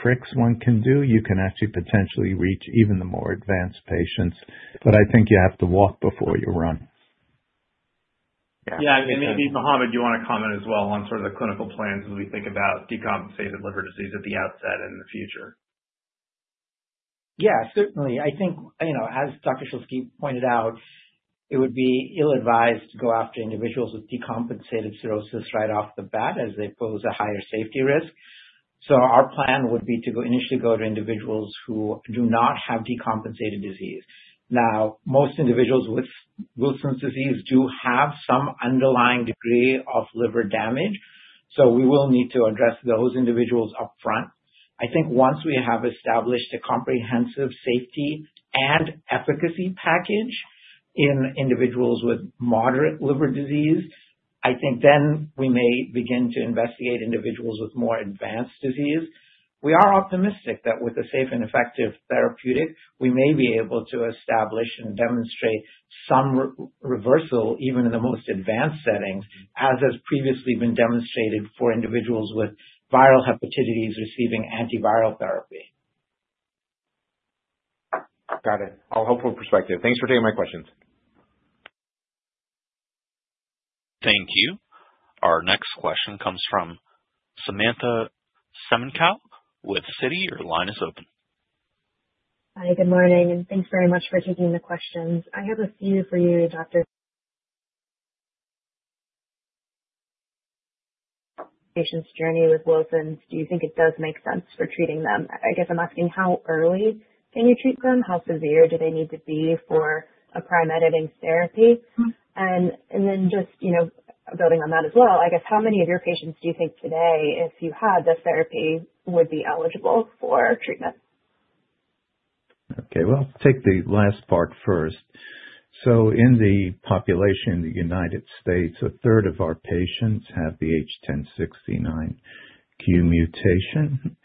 tricks one can do, you can actually potentially reach even the more advanced patients. But I think you have to walk before you run. Yeah. And maybe, Mohammed, do you want to comment as well on sort of the clinical plans as we think about decompensated liver disease at the outset and in the future? Yeah, certainly. I think, as Dr. Schilsky pointed out, it would be ill-advised to go after individuals with decompensated cirrhosis right off the bat as they pose a higher safety risk. So our plan would be to initially go to individuals who do not have decompensated disease. Now, most individuals with Wilson's disease do have some underlying degree of liver damage, so we will need to address those individuals upfront. I think once we have established a comprehensive safety and efficacy package in individuals with moderate liver disease, I think then we may begin to investigate individuals with more advanced disease. We are optimistic that with a safe and effective therapeutic, we may be able to establish and demonstrate some reversal even in the most advanced settings, as has previously been demonstrated for individuals with viral hepatitis receiving antiviral therapy. Got it. A hopeful perspective. Thanks for taking my questions. Thank you. Our next question comes from Samantha Semenkow with Citi. Your line is open. Hi, good morning, and thanks very much for taking the questions. I have a few for you, Dr., patient's journey with Wilson's, do you think it does make sense for treating them? I guess I'm asking how early can you treat them? How severe do they need to be for a prime editing therapy? And then just building on that as well, I guess how many of your patients do you think today, if you had the therapy, would be eligible for treatment? Okay. Well, take the last part first. So in the population in the United States, a third of our patients have the H1069Q mutation.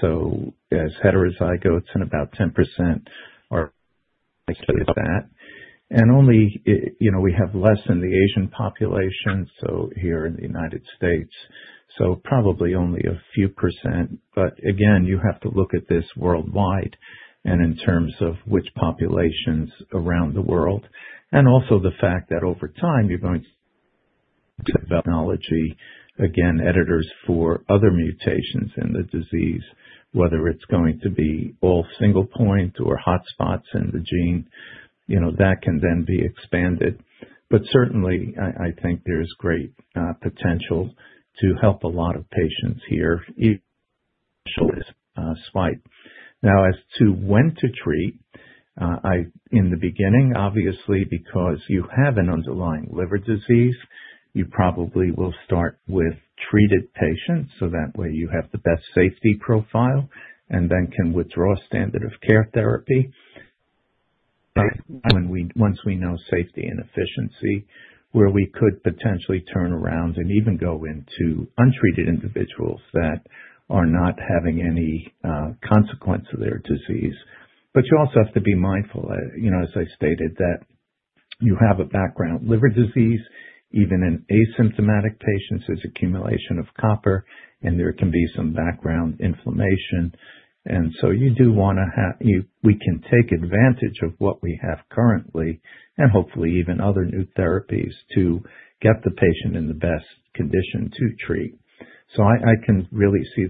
So as heterozygous and about 10% are likely of that. Only we have less in the Asian population, so here in the United States, so probably only a few %. Again, you have to look at this worldwide and in terms of which populations around the world. Also the fact that over time, you're going to develop technology, again, editors for other mutations in the disease, whether it's going to be all single point or hotspots in the gene, that can then be expanded. Certainly, I think there is great potential to help a lot of patients here, especially Spike. Now, as to when to treat, in the beginning, obviously, because you have an underlying liver disease, you probably will start with treated patients so that way you have the best safety profile and then can withdraw standard of care therapy. Once we know safety and efficiency, where we could potentially turn around and even go into untreated individuals that are not having any consequence of their disease, but you also have to be mindful, as I stated, that you have a background liver disease. Even in asymptomatic patients, there's accumulation of copper, and there can be some background inflammation, and so you do want to have, we can take advantage of what we have currently and hopefully even other new therapies to get the patient in the best condition to treat, so I can really see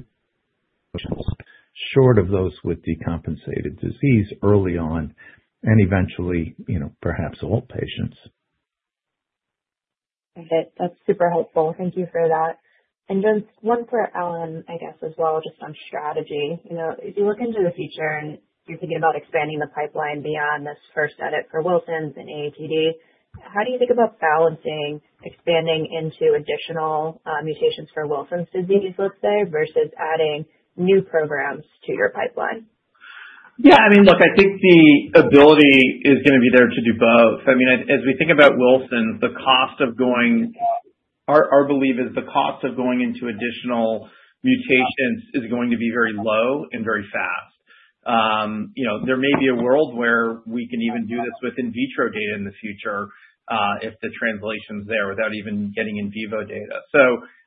short of those with decompensated disease early on and eventually, perhaps all patients. Okay. That's super helpful. Thank you for that, and just one for Allan, I guess, as well, just on strategy. If you look into the future and you're thinking about expanding the pipeline beyond this first edit for Wilson's and AATD, how do you think about balancing expanding into additional mutations for Wilson's disease, let's say, versus adding new programs to your pipeline? Yeah. I mean, look, I think the ability is going to be there to do both. I mean, as we think about Wilson's, the cost of going our belief is the cost of going into additional mutations is going to be very low and very fast. There may be a world where we can even do this with in vitro data in the future if the translation's there without even getting in vivo data.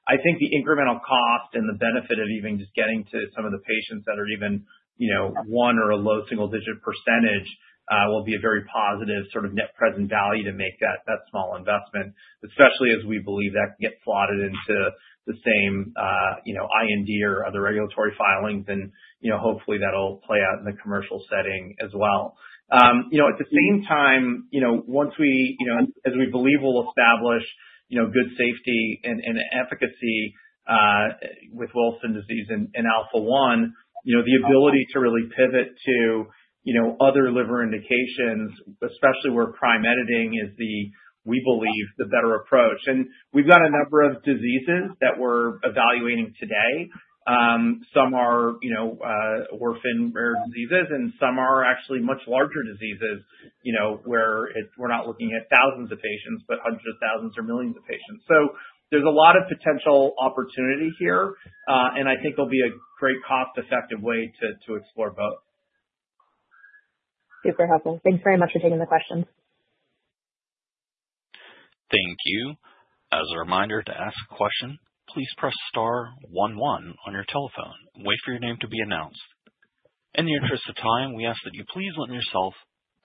I think the incremental cost and the benefit of even just getting to some of the patients that are even 1% or low single-digit % will be a very positive sort of net present value to make that small investment, especially as we believe that can get slotted into the same IND or other regulatory filings, and hopefully that'll play out in the commercial setting as well. At the same time, once we, as we believe, we'll establish good safety and efficacy with Wilson disease and Alpha-1, the ability to really pivot to other liver indications, especially where prime editing is, we believe, the better approach. We've got a number of diseases that we're evaluating today. Some are orphan rare diseases, and some are actually much larger diseases where we're not looking at thousands of patients, but hundreds of thousands or millions of patients. So there's a lot of potential opportunity here, and I think it'll be a great cost-effective way to explore both. Super helpful. Thanks very much for taking the questions. Thank you. As a reminder to ask a question, please press star 11 on your telephone. Wait for your name to be announced. In the interest of time, we ask that you please limit yourself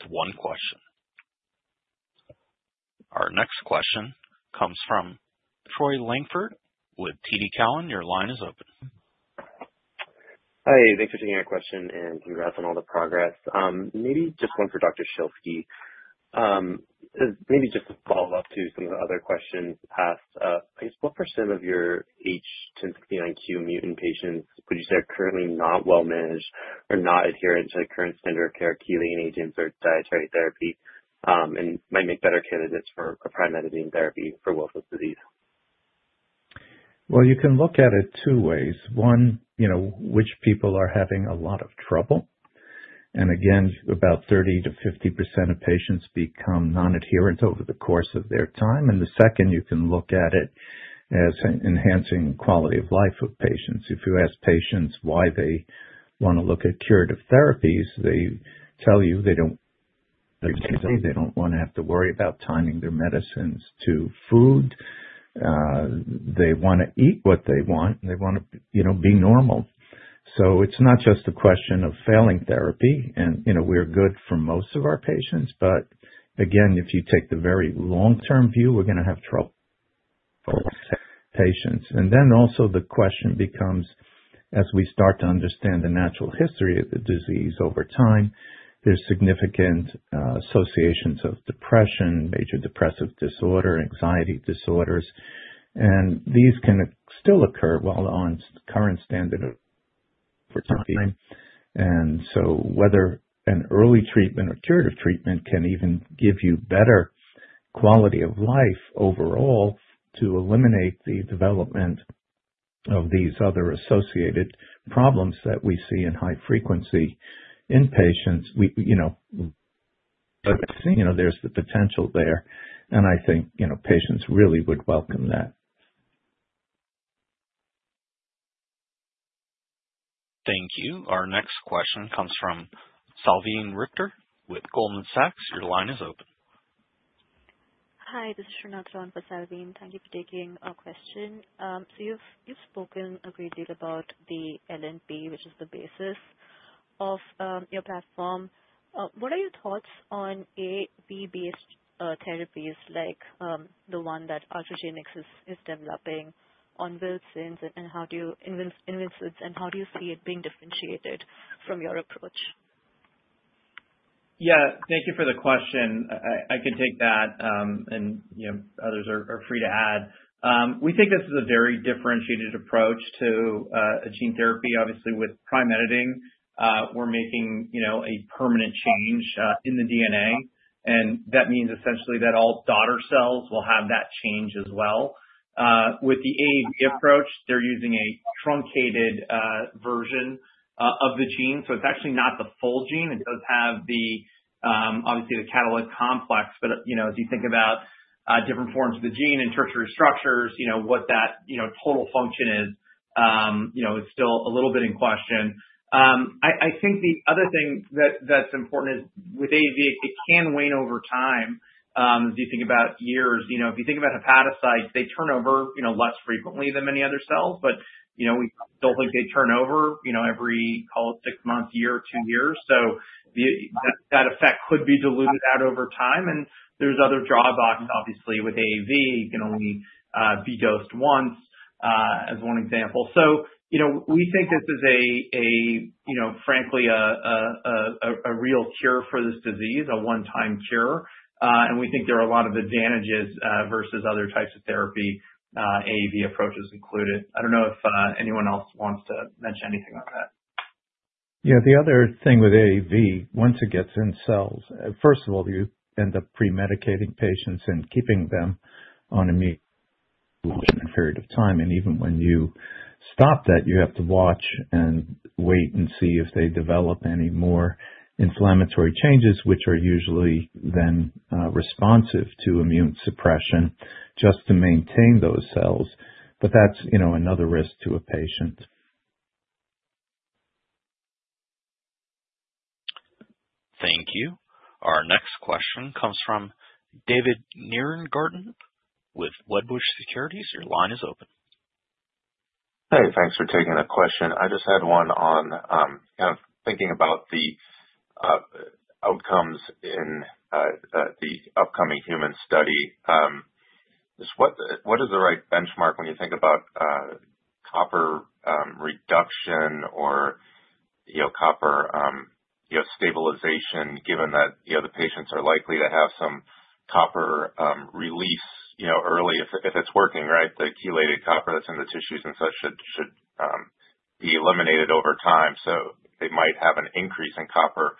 to one question. Our next question comes from Troy Langford with TD Cowen. Your line is open. Hi. Thanks for taking our question and congrats on all the progress. Maybe just one for Dr. Schilsky. Maybe just to follow up to some of the other questions asked, I guess what percent of your H1069Q mutant patients would you say are currently not well-managed or not adherent to current standard of care chelating agents or dietary therapy and might make better candidates for a prime editing therapy for Wilson disease? You can look at it two ways. One, which people are having a lot of trouble. Again, about 30% to 50% of patients become non-adherent over the course of their time. The second, you can look at it as enhancing quality of life of patients. If you ask patients why they want to look at curative therapies, they tell you they don't want to have to worry about timing their medicines to food. They want to eat what they want, and they want to be normal. So it's not just a question of failing therapy, and we're good for most of our patients. But again, if you take the very long-term view, we're going to have trouble for patients. And then also the question becomes, as we start to understand the natural history of the disease over time, there's significant associations of depression, major depressive disorder, anxiety disorders. And these can still occur while on current standard of care. And so whether an early treatment or curative treatment can even give you better quality of life overall to eliminate the development of these other associated problems that we see in high frequency in patients. I tthink there's the potential there. And I think patients really would welcome that. Thank you. Our next question comes from Salveen Richter with Goldman Sachs. Your line is open. Hi. This is Srinath for Salveen. Thank you for taking our question. You've spoken a great deal about the LNP, which is the basis of your platform. What are your thoughts on AAV-based therapies like the one that Ultragenyx is developing on Wilson's and how do you see it being differentiated from your approach? Yeah. Thank you for the question. I can take that, and others are free to add. We think this is a very differentiated approach to a gene therapy. Obviously, with prime editing, we're making a permanent change in the DNA, and that means essentially that all daughter cells will have that change as well. With the AAV approach, they're using a truncated version of the gene. So it's actually not the full gene. It does have, obviously, the catalytic complex. But as you think about different forms of the gene and tertiary structures, what that total function is, it's still a little bit in question. I think the other thing that's important is with AAV, it can wane over time as you think about years. If you think about hepatocytes, they turn over less frequently than many other cells, but we don't think they turn over every, call it, six months, year, two years. So that effect could be diluted out over time. And there's other drawbacks, obviously, with AAV. You can only be dosed once, as one example. So we think this is, frankly, a real cure for this disease, a one-time cure. And we think there are a lot of advantages versus other types of therapy, AAV approaches included. I don't know if anyone else wants to mention anything on that. Yeah. The other thing with AAV, once it gets in cells, first of all, you end up premedicating patients and keeping them on immunosuppression for a period of time. And even when you stop that, you have to watch and wait and see if they develop any more inflammatory changes, which are usually then responsive to immune suppression just to maintain those cells. But that's another risk to a patient. Thank you. Our next question comes from David Nierengarten with Wedbush Securities. Your line is open. Hey, thanks for taking the question. I just had one on kind of thinking about the outcomes in the upcoming human study. What is the right benchmark when you think about copper reduction or copper stabilization, given that the patients are likely to have some copper release early if it's working, right? The chelated copper that's in the tissues and such should be eliminated over time. So they might have an increase in copper,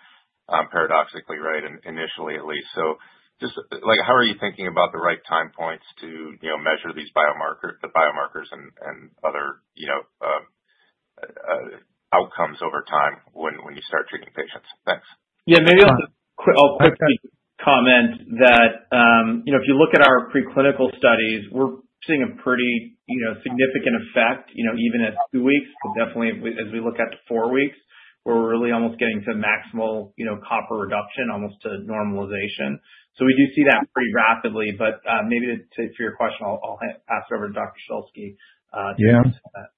paradoxically, right, initially at least. So just how are you thinking about the right time points to measure the biomarkers and other outcomes over time when you start treating patients? Thanks. Yeah. Maybe I'll quickly comment that if you look at our preclinical studies, we're seeing a pretty significant effect even at two weeks. But definitely, as we look at the four weeks, we're really almost getting to maximal copper reduction, almost to normalization. So we do see that pretty rapidly. But maybe for your question, I'll pass it over to Dr. Schilsky to answer that.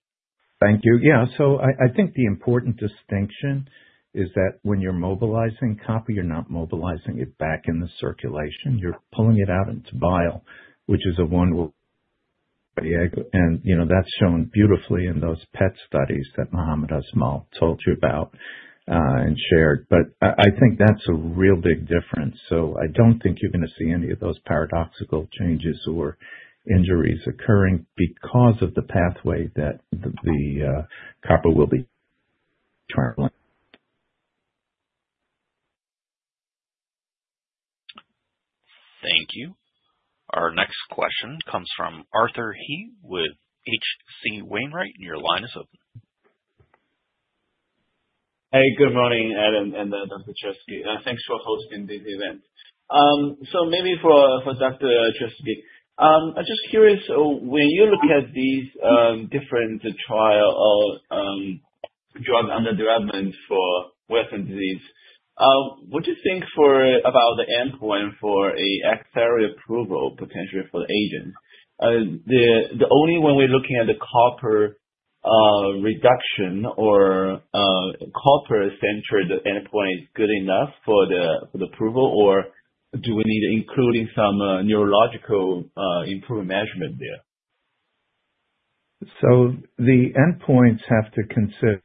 Thank you. Yeah. So I think the important distinction is that when you're mobilizing copper, you're not mobilizing it back in the circulation. You're pulling it out into bile, which is a one-way. That's shown beautifully in those PET studies that Mohammed Asmal told you about and shared. But I think that's a real big difference. So I don't think you're going to see any of those paradoxical changes or injuries occurring because of the pathway that the copper will be traveling. Thank you. Our next question comes from Arthur He with H.C. Wainwright, and your line is open. Hey, good morning, Allan and Dr. Schilsky. Thanks for hosting this event. So maybe for Dr. Schilsky, I'm just curious. When you look at these different trials or drugs under development for Wilson disease, what do you think about the endpoint for an accelerated approval potentially for the agent? Is the only one we're looking at the copper reduction or copper-centered endpoint good enough for the approval, or do we need to include some neurological improvement measurement there? So the endpoints have to consider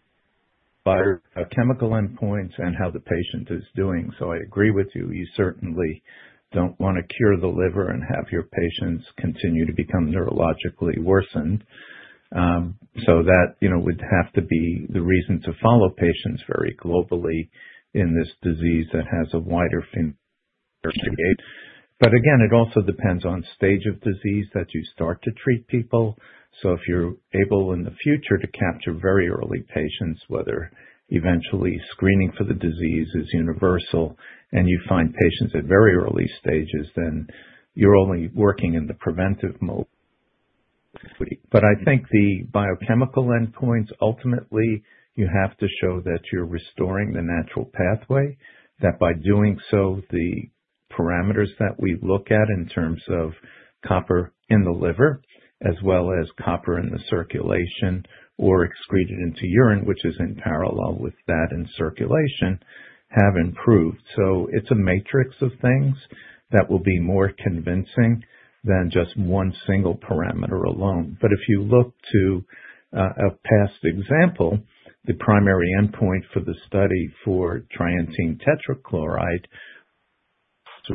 biochemical endpoints and how the patient is doing. So I agree with you. You certainly don't want to cure the liver and have your patients continue to become neurologically worsened. So that would have to be the reason to follow patients very globally in this disease that has a wider field. But again, it also depends on the stage of disease that you start to treat people. So if you're able in the future to capture very early patients, whether eventually screening for the disease is universal, and you find patients at very early stages, then you're only working in the preventive mode. But I think the biochemical endpoints, ultimately, you have to show that you're restoring the natural pathway, that by doing so, the parameters that we look at in terms of copper in the liver, as well as copper in the circulation or excreted into urine, which is in parallel with that in circulation, have improved. So it's a matrix of things that will be more convincing than just one single parameter alone. But if you look to a past example, the primary endpoint for the study for trientine tetrahydrochloride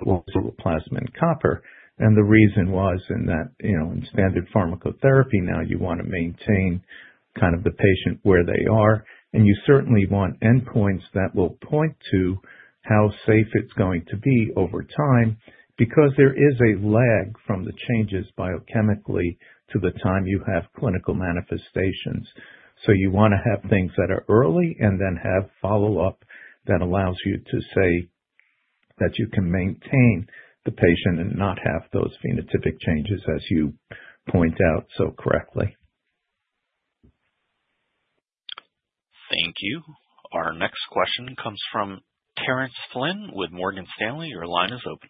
was with plasma and copper. And the reason was in that in standard pharmacotherapy, now you want to maintain kind of the patient where they are. And you certainly want endpoints that will point to how safe it's going to be over time because there is a lag from the changes biochemically to the time you have clinical manifestations. So you want to have things that are early and then have follow-up that allows you to say that you can maintain the patient and not have those phenotypic changes, as you point out so correctly. Thank you. Our next question comes from Terence Flynn with Morgan Stanley. Your line is open.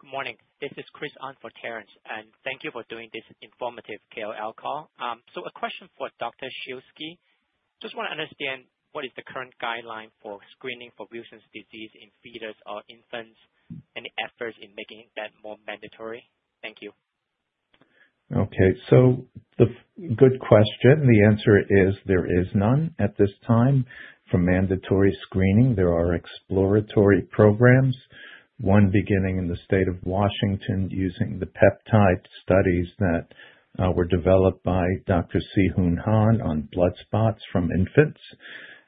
Good morning. This is Chris Ahn for Terence, and thank you for doing this informative KOL call. So a question for Dr. Schilsky. Just want to understand what is the current guideline for screening for Wilson's disease in fetus or infants and the efforts in making that more mandatory? Thank you. Okay. So good question. The answer is there is none at this time for mandatory screening. There are exploratory programs, one beginning in the state of Washington using the peptide studies that were developed by Dr. Si Houn Hahn on blood spots from infants.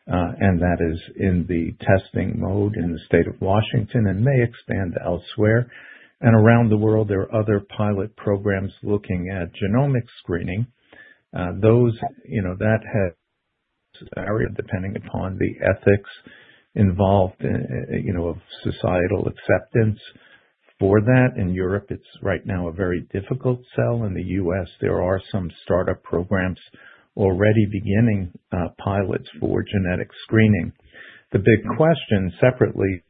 That is in the testing mode in the state of Washington and may expand elsewhere. Around the world, there are other pilot programs looking at genomic screening. Those that are there, depending upon the ethics involved and societal acceptance for that. In Europe, it's right now a very difficult sell. In the US, there are some startup programs already beginning pilots for genetic screening. The big question separately,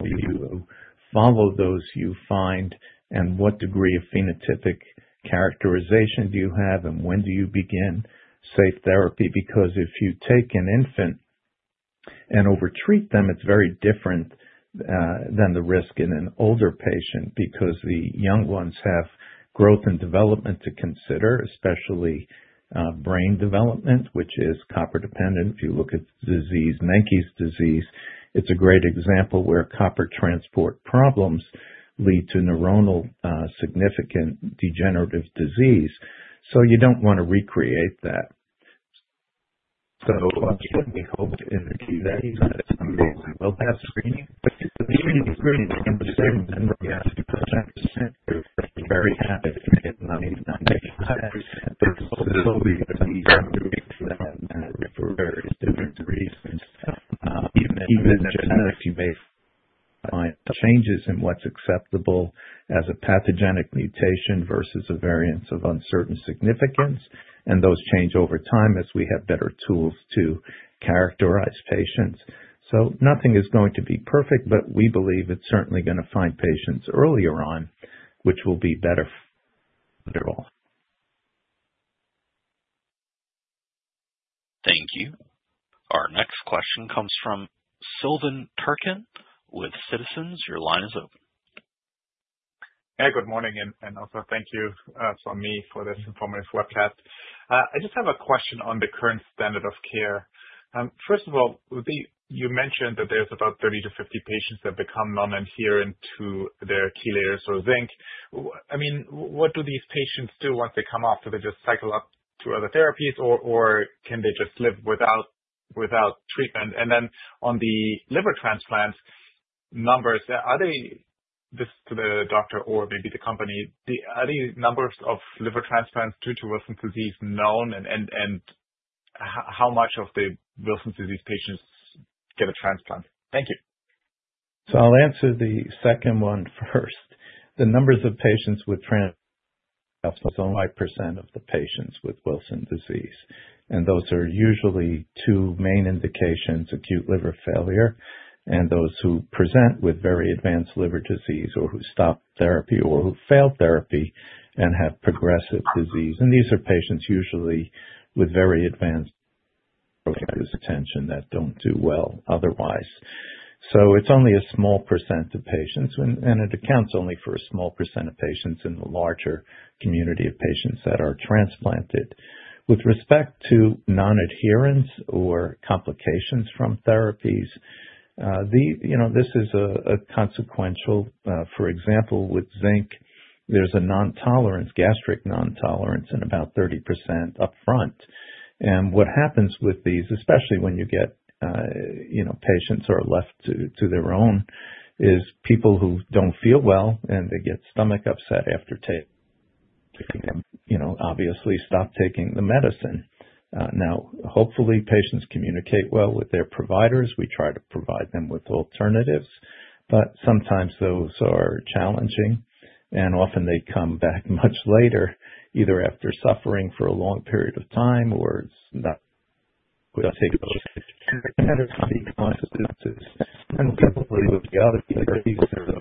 how do you follow those you find, and what degree of phenotypic characterization do you have, and when do you begin safe therapy? Because if you take an infant and overtreat them, it's very different than the risk in an older patient because the young ones have growth and development to consider, especially brain development, which is copper-dependent. If you look at Menkes disease, it's a great example where copper transport problems lead to neurologically significant degenerative disease. So you don't want to recreate that. So we hope in the future that we will have screening. We're seeing a 70% to 95%. There's still a big gap for various different reasons. Even in genetics, you may find changes in what's acceptable as a pathogenic mutation versus a variant of uncertain significance. And those change over time as we have better tools to characterize patients. So nothing is going to be perfect, but we believe it's certainly going to find patients earlier on, which will be better for all. Thank you. Our next question comes from Silvan Tuerkcan with Citizens. Your line is open. Hey, good morning. And also, thank you for me for this informative webcast. I just have a question on the current standard of care. First of all, you mentioned that there's about 30 to 50 patients that become non-adherent to their chelator or zinc. I mean, what do these patients do once they come off? Do they just cycle up to other therapies, or can they just live without treatment? And then on the liver transplant numbers, are they, this is to the doctor or maybe the company, are the numbers of liver transplants due to Wilson's disease known? And how much of the Wilson's disease patients get a transplant? Thank you. So I'll answer the second one first. The numbers of patients with transplants are 5% of the patients with Wilson's disease. And those are usually two main indications: acute liver failure and those who present with very advanced liver disease or who stop therapy or who fail therapy and have progressive disease. And these are patients usually with very advanced decompensation that don't do well otherwise. It's only a small percent of patients, and it accounts only for a small percent of patients in the larger community of patients that are transplanted. With respect to non-adherence or complications from therapies, this is consequential, for example, with zinc, there's a non-tolerance, gastric non-tolerance, in about 30% upfront. And what happens with these, especially when you get patients who are left to their own, is people who don't feel well, and they get stomach upset after taking them, obviously stop taking the medicine. Now, hopefully, patients communicate well with their providers. We try to provide them with alternatives. But sometimes those are challenging, and often they come back much later, either after suffering for a long period of time or not. We'll take those to care and be conscious of this. Similarly, with the other therapies, there are those developmental delays that we find in patients who do not perform well. We do well most of the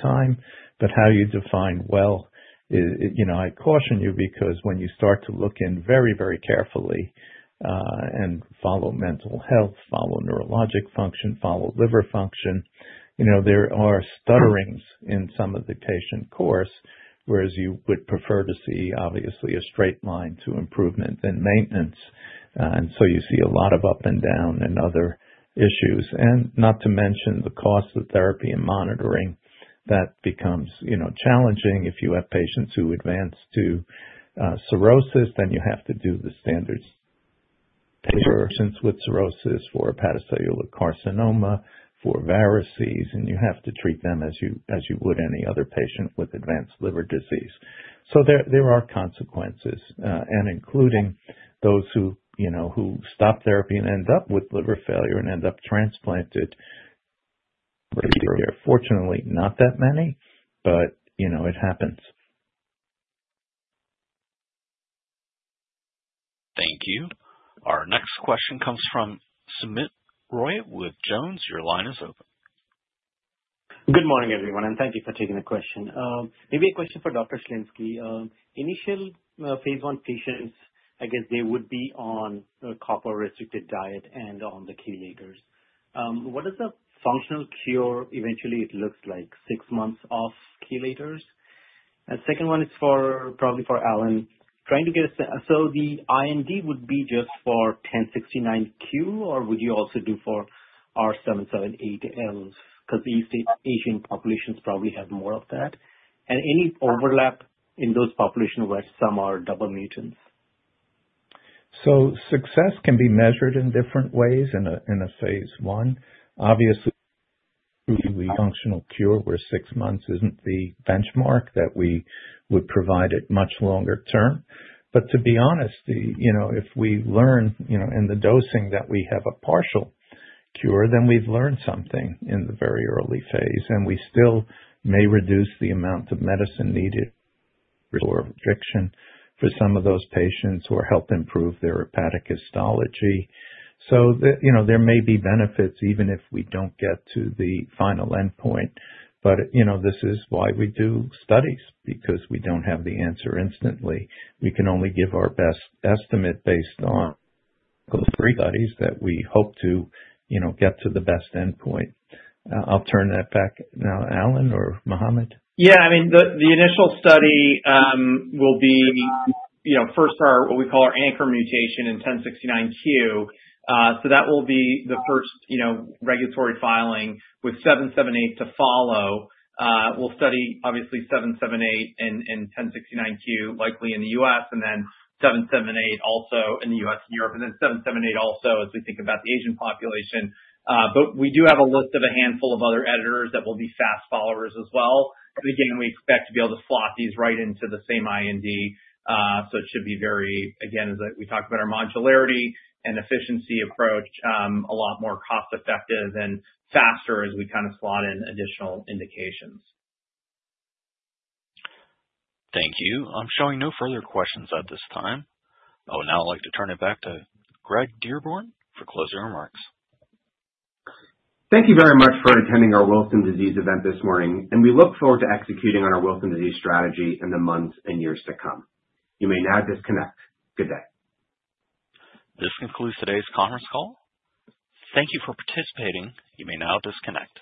time. But how you define well, I caution you, because when you start to look very, very carefully and follow mental health, follow neurologic function, follow liver function, there are stutterings in some of the patient course, whereas you would prefer to see, obviously, a straight line to improvement than maintenance. You see a lot of up and down and other issues. Not to mention the cost of therapy and monitoring that becomes challenging. If you have patients who advance to cirrhosis, then you have to do the standards for patients with cirrhosis, for hepatocellular carcinoma, for varices, and you have to treat them as you would any other patient with advanced liver disease. There are consequences. And including those who stop therapy and end up with liver failure and end up transplanted, fortunately, not that many, but it happens. Thank you. Our next question comes from Soumit Roy with Jones. Your line is open. Good morning, everyone. And thank you for taking the question. Maybe a question for Dr. Schilsky. Initial phase one patients, I guess they would be on a copper-restricted diet and on the chelators. What does a functional cure eventually look like? Six months off chelators? And the second one is probably for Allan. Trying to get a—so the IND would be just for 1069Q, or would you also do for R778Ls? Because the East Asian populations probably have more of that. And any overlap in those populations where some are double mutants? So success can be measured in different ways in a phase one. Obviously, the functional cure where six months isn't the benchmark that we would provide at much longer term. But to be honest, if we learn in the dosing that we have a partial cure, then we've learned something in the very early phase. And we still may reduce the amount of medicine needed or restriction for some of those patients or help improve their hepatic histology. So there may be benefits even if we don't get to the final endpoint. But this is why we do studies, because we don't have the answer instantly. We can only give our best estimate based on those three studies that we hope to get to the best endpoint. I'll turn that back now to Allan or Mohammed. Yeah. I mean, the initial study will be first our what we call our anchor mutation in H1069Q. So that will be the first regulatory filing with 778 to follow. We'll study, obviously, 778 and 1069Q likely in the US, and then 778 also in the US and Europe, and then 778 also as we think about the Asian population. But we do have a list of a handful of other editors that will be fast followers as well. But again, we expect to be able to slot these right into the same IND. So it should be very, again, as we talked about our modularity and efficiency approach, a lot more cost-effective and faster as we kind of slot in additional indications. Thank you. I'm showing no further questions at this time. Oh, now I'd like to turn it back to Keith Gottesdiener for closing remarks. Thank you very much for attending our Wilson disease event this morning. And we look forward to executing on our Wilson disease strategy in the months and years to come. You may now disconnect. Good day. This concludes today's conference call. Thank you for participating. You may now disconnect.